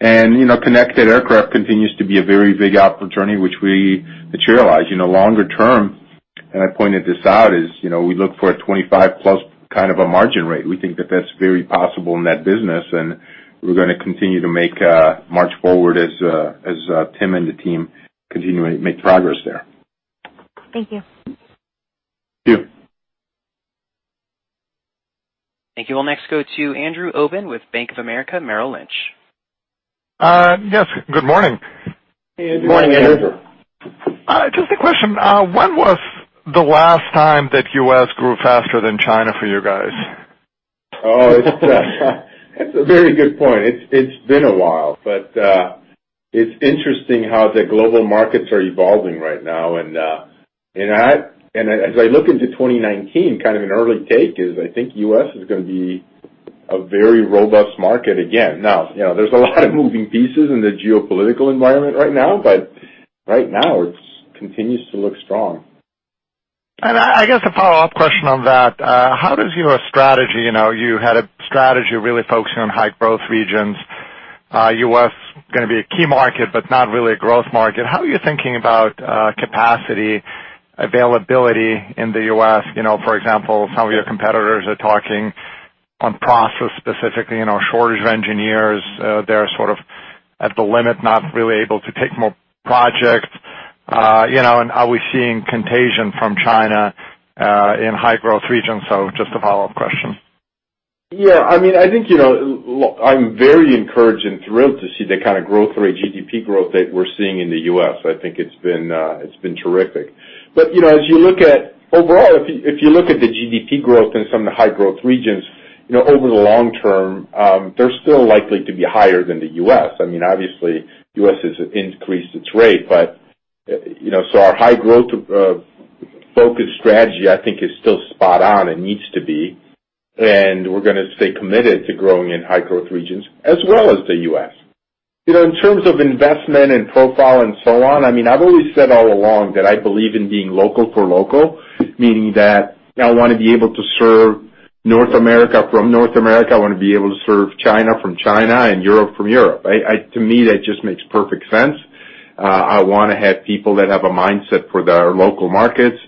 Connected aircraft continues to be a very big opportunity, which we materialize. Longer term, and I pointed this out, is we look for a 25 plus kind of a margin rate. We think that that's very possible in that business, and we're going to continue to march forward as Tim and the team continue and make progress there. Thank you. Thank you. Thank you. We'll next go to Andrew Obin with Bank of America, Merrill Lynch. Yes, good morning. Good morning, Andrew. Just a question. When was the last time that U.S. grew faster than China for you guys? Oh, that's a very good point. It's been a while, but it's interesting how the global markets are evolving right now. As I look into 2019, kind of an early take is I think U.S. is going to be a very robust market again. Now, there's a lot of moving pieces in the geopolitical environment right now, Right now it continues to look strong. I guess a follow-up question on that. How does your strategy, you had a strategy really focusing on high growth regions, U.S. going to be a key market, but not really a growth market. How are you thinking about capacity availability in the U.S.? For example, some of your competitors are talking on process specifically, shortage of engineers. They're sort of at the limit, not really able to take more projects. Are we seeing contagion from China in high growth regions? Just a follow-up question. I think I'm very encouraged and thrilled to see the kind of growth rate, GDP growth that we're seeing in the U.S. I think it's been terrific. Overall, if you look at the GDP growth in some of the high growth regions, over the long term, they're still likely to be higher than the U.S. Obviously, U.S. has increased its rate, so our high growth-focused strategy, I think, is still spot on and needs to be. We're going to stay committed to growing in high growth regions as well as the U.S. In terms of investment and profile and so on, I've always said all along that I believe in being local for local, meaning that I want to be able to serve North America from North America. I want to be able to serve China from China and Europe from Europe. To me, that just makes perfect sense. I want to have people that have a mindset for their local markets,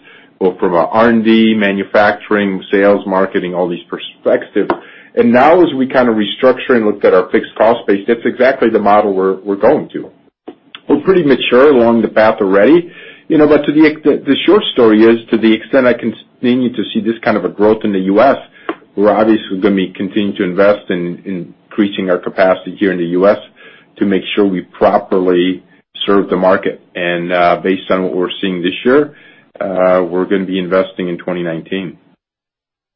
both from a R&D, manufacturing, sales, marketing, all these perspectives. Now as we kind of restructure and look at our fixed cost base, that's exactly the model we're going to. We're pretty mature along the path already. The short story is, to the extent I continue to see this kind of a growth in the U.S., we're obviously going to be continuing to invest in increasing our capacity here in the U.S. to make sure we properly serve the market. Based on what we're seeing this year, we're going to be investing in 2019.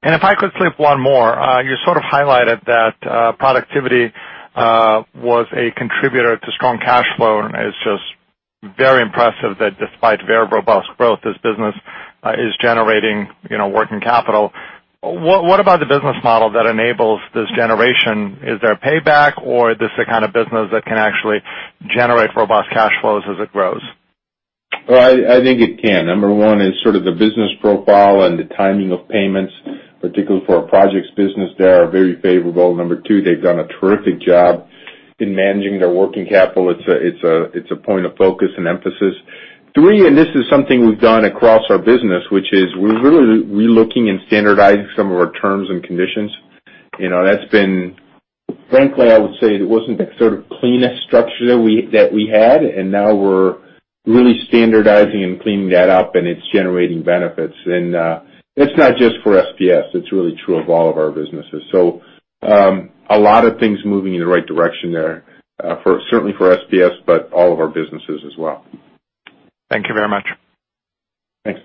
If I could slip one more. You sort of highlighted that productivity was a contributor to strong cash flow, and it's just very impressive that despite very robust growth, this business is generating working capital. What about the business model that enables this generation? Is there a payback or is this the kind of business that can actually generate robust cash flows as it grows? I think it can. Number one is sort of the business profile and the timing of payments, particularly for our projects business, they are very favorable. Number two, they've done a terrific job in managing their working capital. It's a point of focus and emphasis. Three, this is something we've done across our business, which is we're really relooking and standardizing some of our terms and conditions. Frankly, I would say it wasn't the sort of cleanest structure that we had, and now we're really standardizing and cleaning that up, and it's generating benefits. It's not just for SPS, it's really true of all of our businesses. A lot of things moving in the right direction there certainly for SPS, but all of our businesses as well. Thank you very much. Thanks.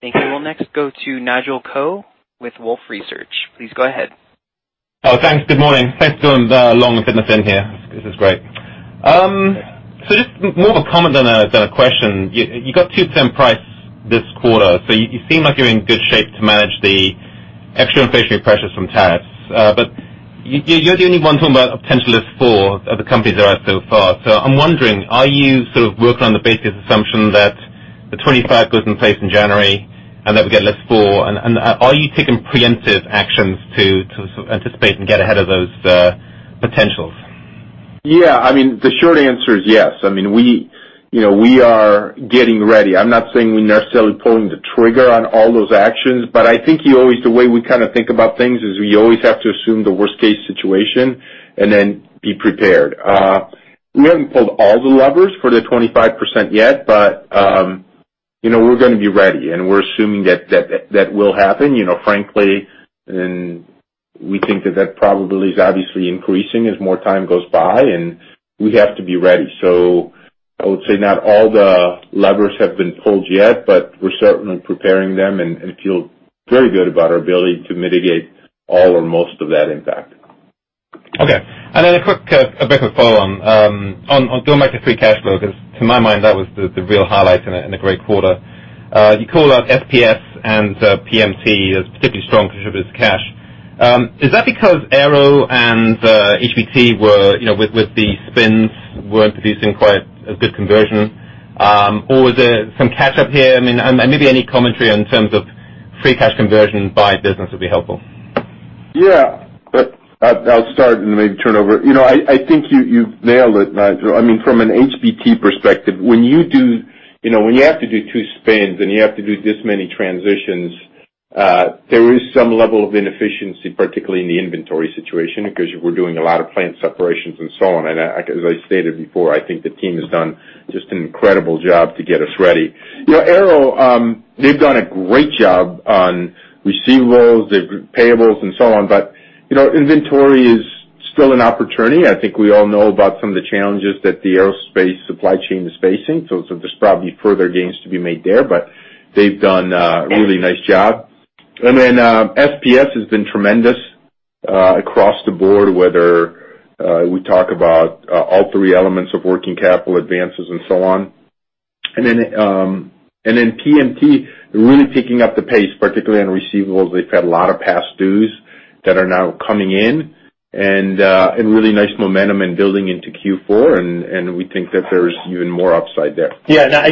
Thank you. We'll next go to Nigel Coe with Wolfe Research. Please go ahead. Thanks. Good morning. Thanks, Darius. Nigel Coe here. This is great. Just more of a comment than a question. You got 2% price this quarter, you seem like you're in good shape to manage the extra inflationary pressures from tariffs. You're the only one talking about a potential List 4 of the companies there are so far. I'm wondering, are you sort of working on the basis assumption that the 25 goes in place in January and that we get List 4? Are you taking preemptive actions to sort of anticipate and get ahead of those potentials? Yeah. I mean, the short answer is yes. We are getting ready. I'm not saying we're necessarily pulling the trigger on all those actions, but I think the way we kind of think about things is we always have to assume the worst-case situation and then be prepared. We haven't pulled all the levers for the 25% yet, but we're going to be ready, and we're assuming that will happen. Frankly, we think that probability is obviously increasing as more time goes by, and we have to be ready. I would say not all the levers have been pulled yet, but we're certainly preparing them and feel very good about our ability to mitigate all or most of that impact. Okay. A quick follow on. On talking about the free cash flow, because to my mind, that was the real highlight in a great quarter. You call out SPS and PMT as particularly strong contributors to cash. Is that because Aero and HBT, with the spins, weren't producing quite a good conversion? Was there some catch up here? Maybe any commentary in terms of free cash conversion by business would be helpful. Yeah. I'll start and then maybe turn over. I think you've nailed it, Nigel. From an HBT perspective, when you have to do two spins and you have to do this many transitions, there is some level of inefficiency, particularly in the inventory situation, because we're doing a lot of plant separations and so on. As I stated before, I think the team has done just an incredible job to get us ready. Aero, they've done a great job on receivables, their payables and so on, but inventory is still an opportunity. I think we all know about some of the challenges that the aerospace supply chain is facing, so there's probably further gains to be made there, but they've done a really nice job. SPS has been tremendous across the board, whether we talk about all three elements of working capital advances and so on. PMT, really picking up the pace, particularly on receivables. They've had a lot of past dues that are now coming in, and really nice momentum and building into Q4, and we think that there's even more upside there. Yeah.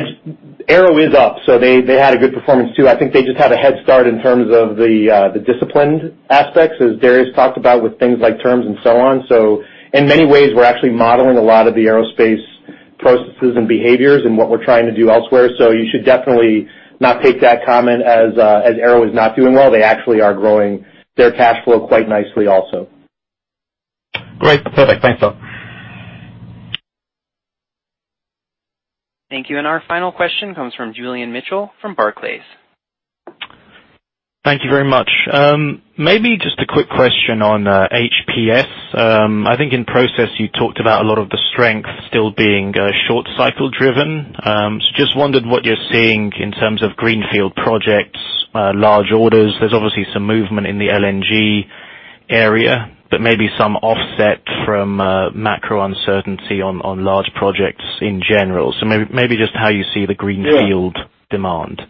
Aero is up. They had a good performance too. I think they just had a head start in terms of the disciplined aspects, as Darius talked about, with things like terms and so on. In many ways, we're actually modeling a lot of the Aerospace processes and behaviors in what we're trying to do elsewhere. You should definitely not take that comment as Aero is not doing well. They actually are growing their cash flow quite nicely also. Great. Perfect. Thanks a lot. Thank you. Our final question comes from Julian Mitchell from Barclays. Thank you very much. Maybe just a quick question on HPS. I think in process you talked about a lot of the strength still being short cycle driven. Just wondered what you're seeing in terms of greenfield projects, large orders. There's obviously some movement in the LNG area, but maybe some offset from macro uncertainty on large projects in general. Maybe just how you see the greenfield demand.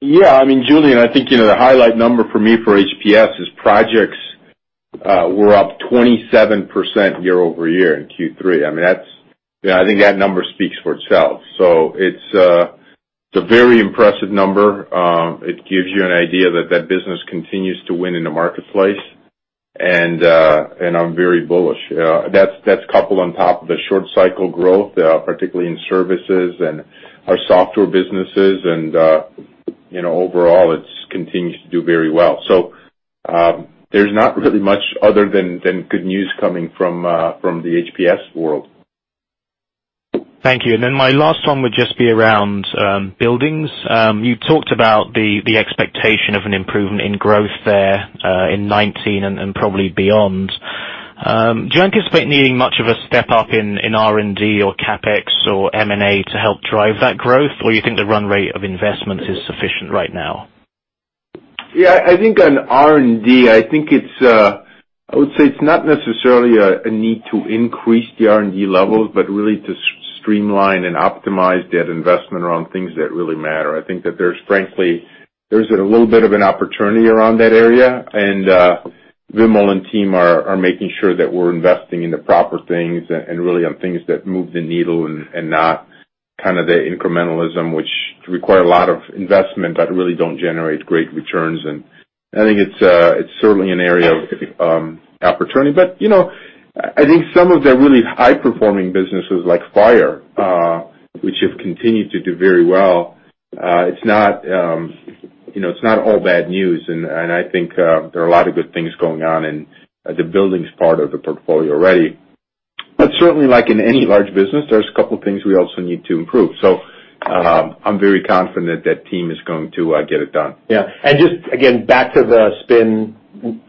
Yeah. Julian, I think the highlight number for me for HPS is projects were up 27% year-over-year in Q3. I think that number speaks for itself. It's a very impressive number. It gives you an idea that that business continues to win in the marketplace, and I'm very bullish. That's coupled on top of the short cycle growth, particularly in services and our software businesses, overall it continues to do very well. There's not really much other than good news coming from the HPS world. Thank you. My last one would just be around buildings. You talked about the expectation of an improvement in growth there in 2019 and probably beyond. Do you anticipate needing much of a step up in R&D or CapEx or M&A to help drive that growth? Or you think the run rate of investment is sufficient right now? Yeah. I think on R&D, I would say it's not necessarily a need to increase the R&D levels, but really to streamline and optimize that investment around things that really matter. I think that there's frankly a little bit of an opportunity around that area, Vimal and team are making sure that we're investing in the proper things and really on things that move the needle and not kind of the incrementalism which require a lot of investment, but really don't generate great returns. I think it's certainly an area of opportunity. I think some of the really high performing businesses like Fire, which have continued to do very well, it's not all bad news, and I think there are a lot of good things going on in the buildings part of the portfolio already. Certainly, like in any large business, there's a couple of things we also need to improve. I'm very confident that team is going to get it done. Yeah. Just, again, back to the spin,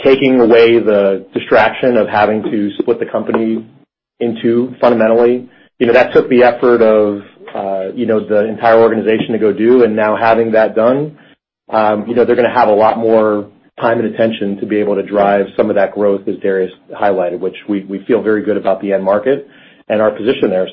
taking away the distraction of having to split the company in two fundamentally, that took the effort of the entire organization to go do, and now having that done, they're going to have a lot more time and attention to be able to drive some of that growth, as Darius highlighted, which we feel very good about the end market and our position there.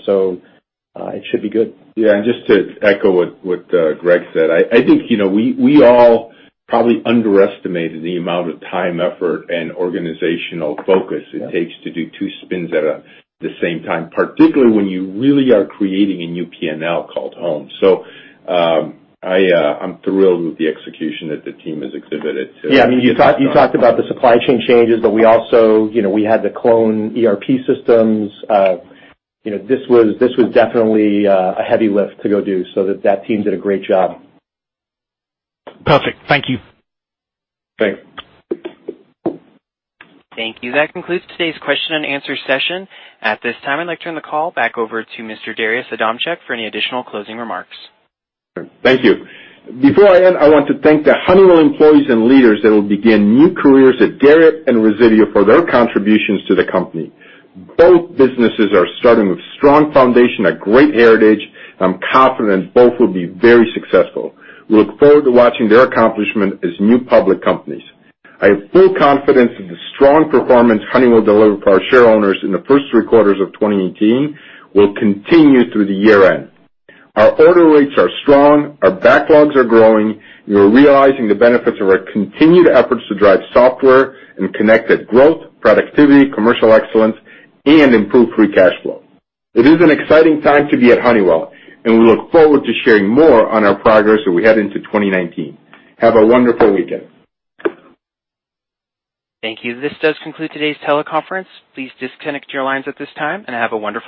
It should be good. Yeah. Just to echo what Greg said, I think we all probably underestimated the amount of time, effort, and organizational focus it takes to do two spins at the same time, particularly when you really are creating a new P&L called Homes. I'm thrilled with the execution that the team has exhibited to Yeah. You talked about the supply chain changes, we also had to clone ERP systems. This was definitely a heavy lift to go do. That team did a great job. Perfect. Thank you. Thanks. Thank you. That concludes today's question and answer session. At this time, I'd like to turn the call back over to Mr. Darius Adamczyk for any additional closing remarks. Thank you. Before I end, I want to thank the Honeywell employees and leaders that will begin new careers at Garrett and Resideo for their contributions to the company. Both businesses are starting with strong foundation, a great heritage, and I'm confident both will be very successful. We look forward to watching their accomplishment as new public companies. I have full confidence that the strong performance Honeywell delivered for our shareowners in the first three quarters of 2018 will continue through the year-end. Our order rates are strong, our backlogs are growing, we are realizing the benefits of our continued efforts to drive software and connected growth, productivity, commercial excellence, and improved free cash flow. It is an exciting time to be at Honeywell, and we look forward to sharing more on our progress as we head into 2019. Have a wonderful weekend. Thank you. This does conclude today's teleconference. Please disconnect your lines at this time and have a wonderful day.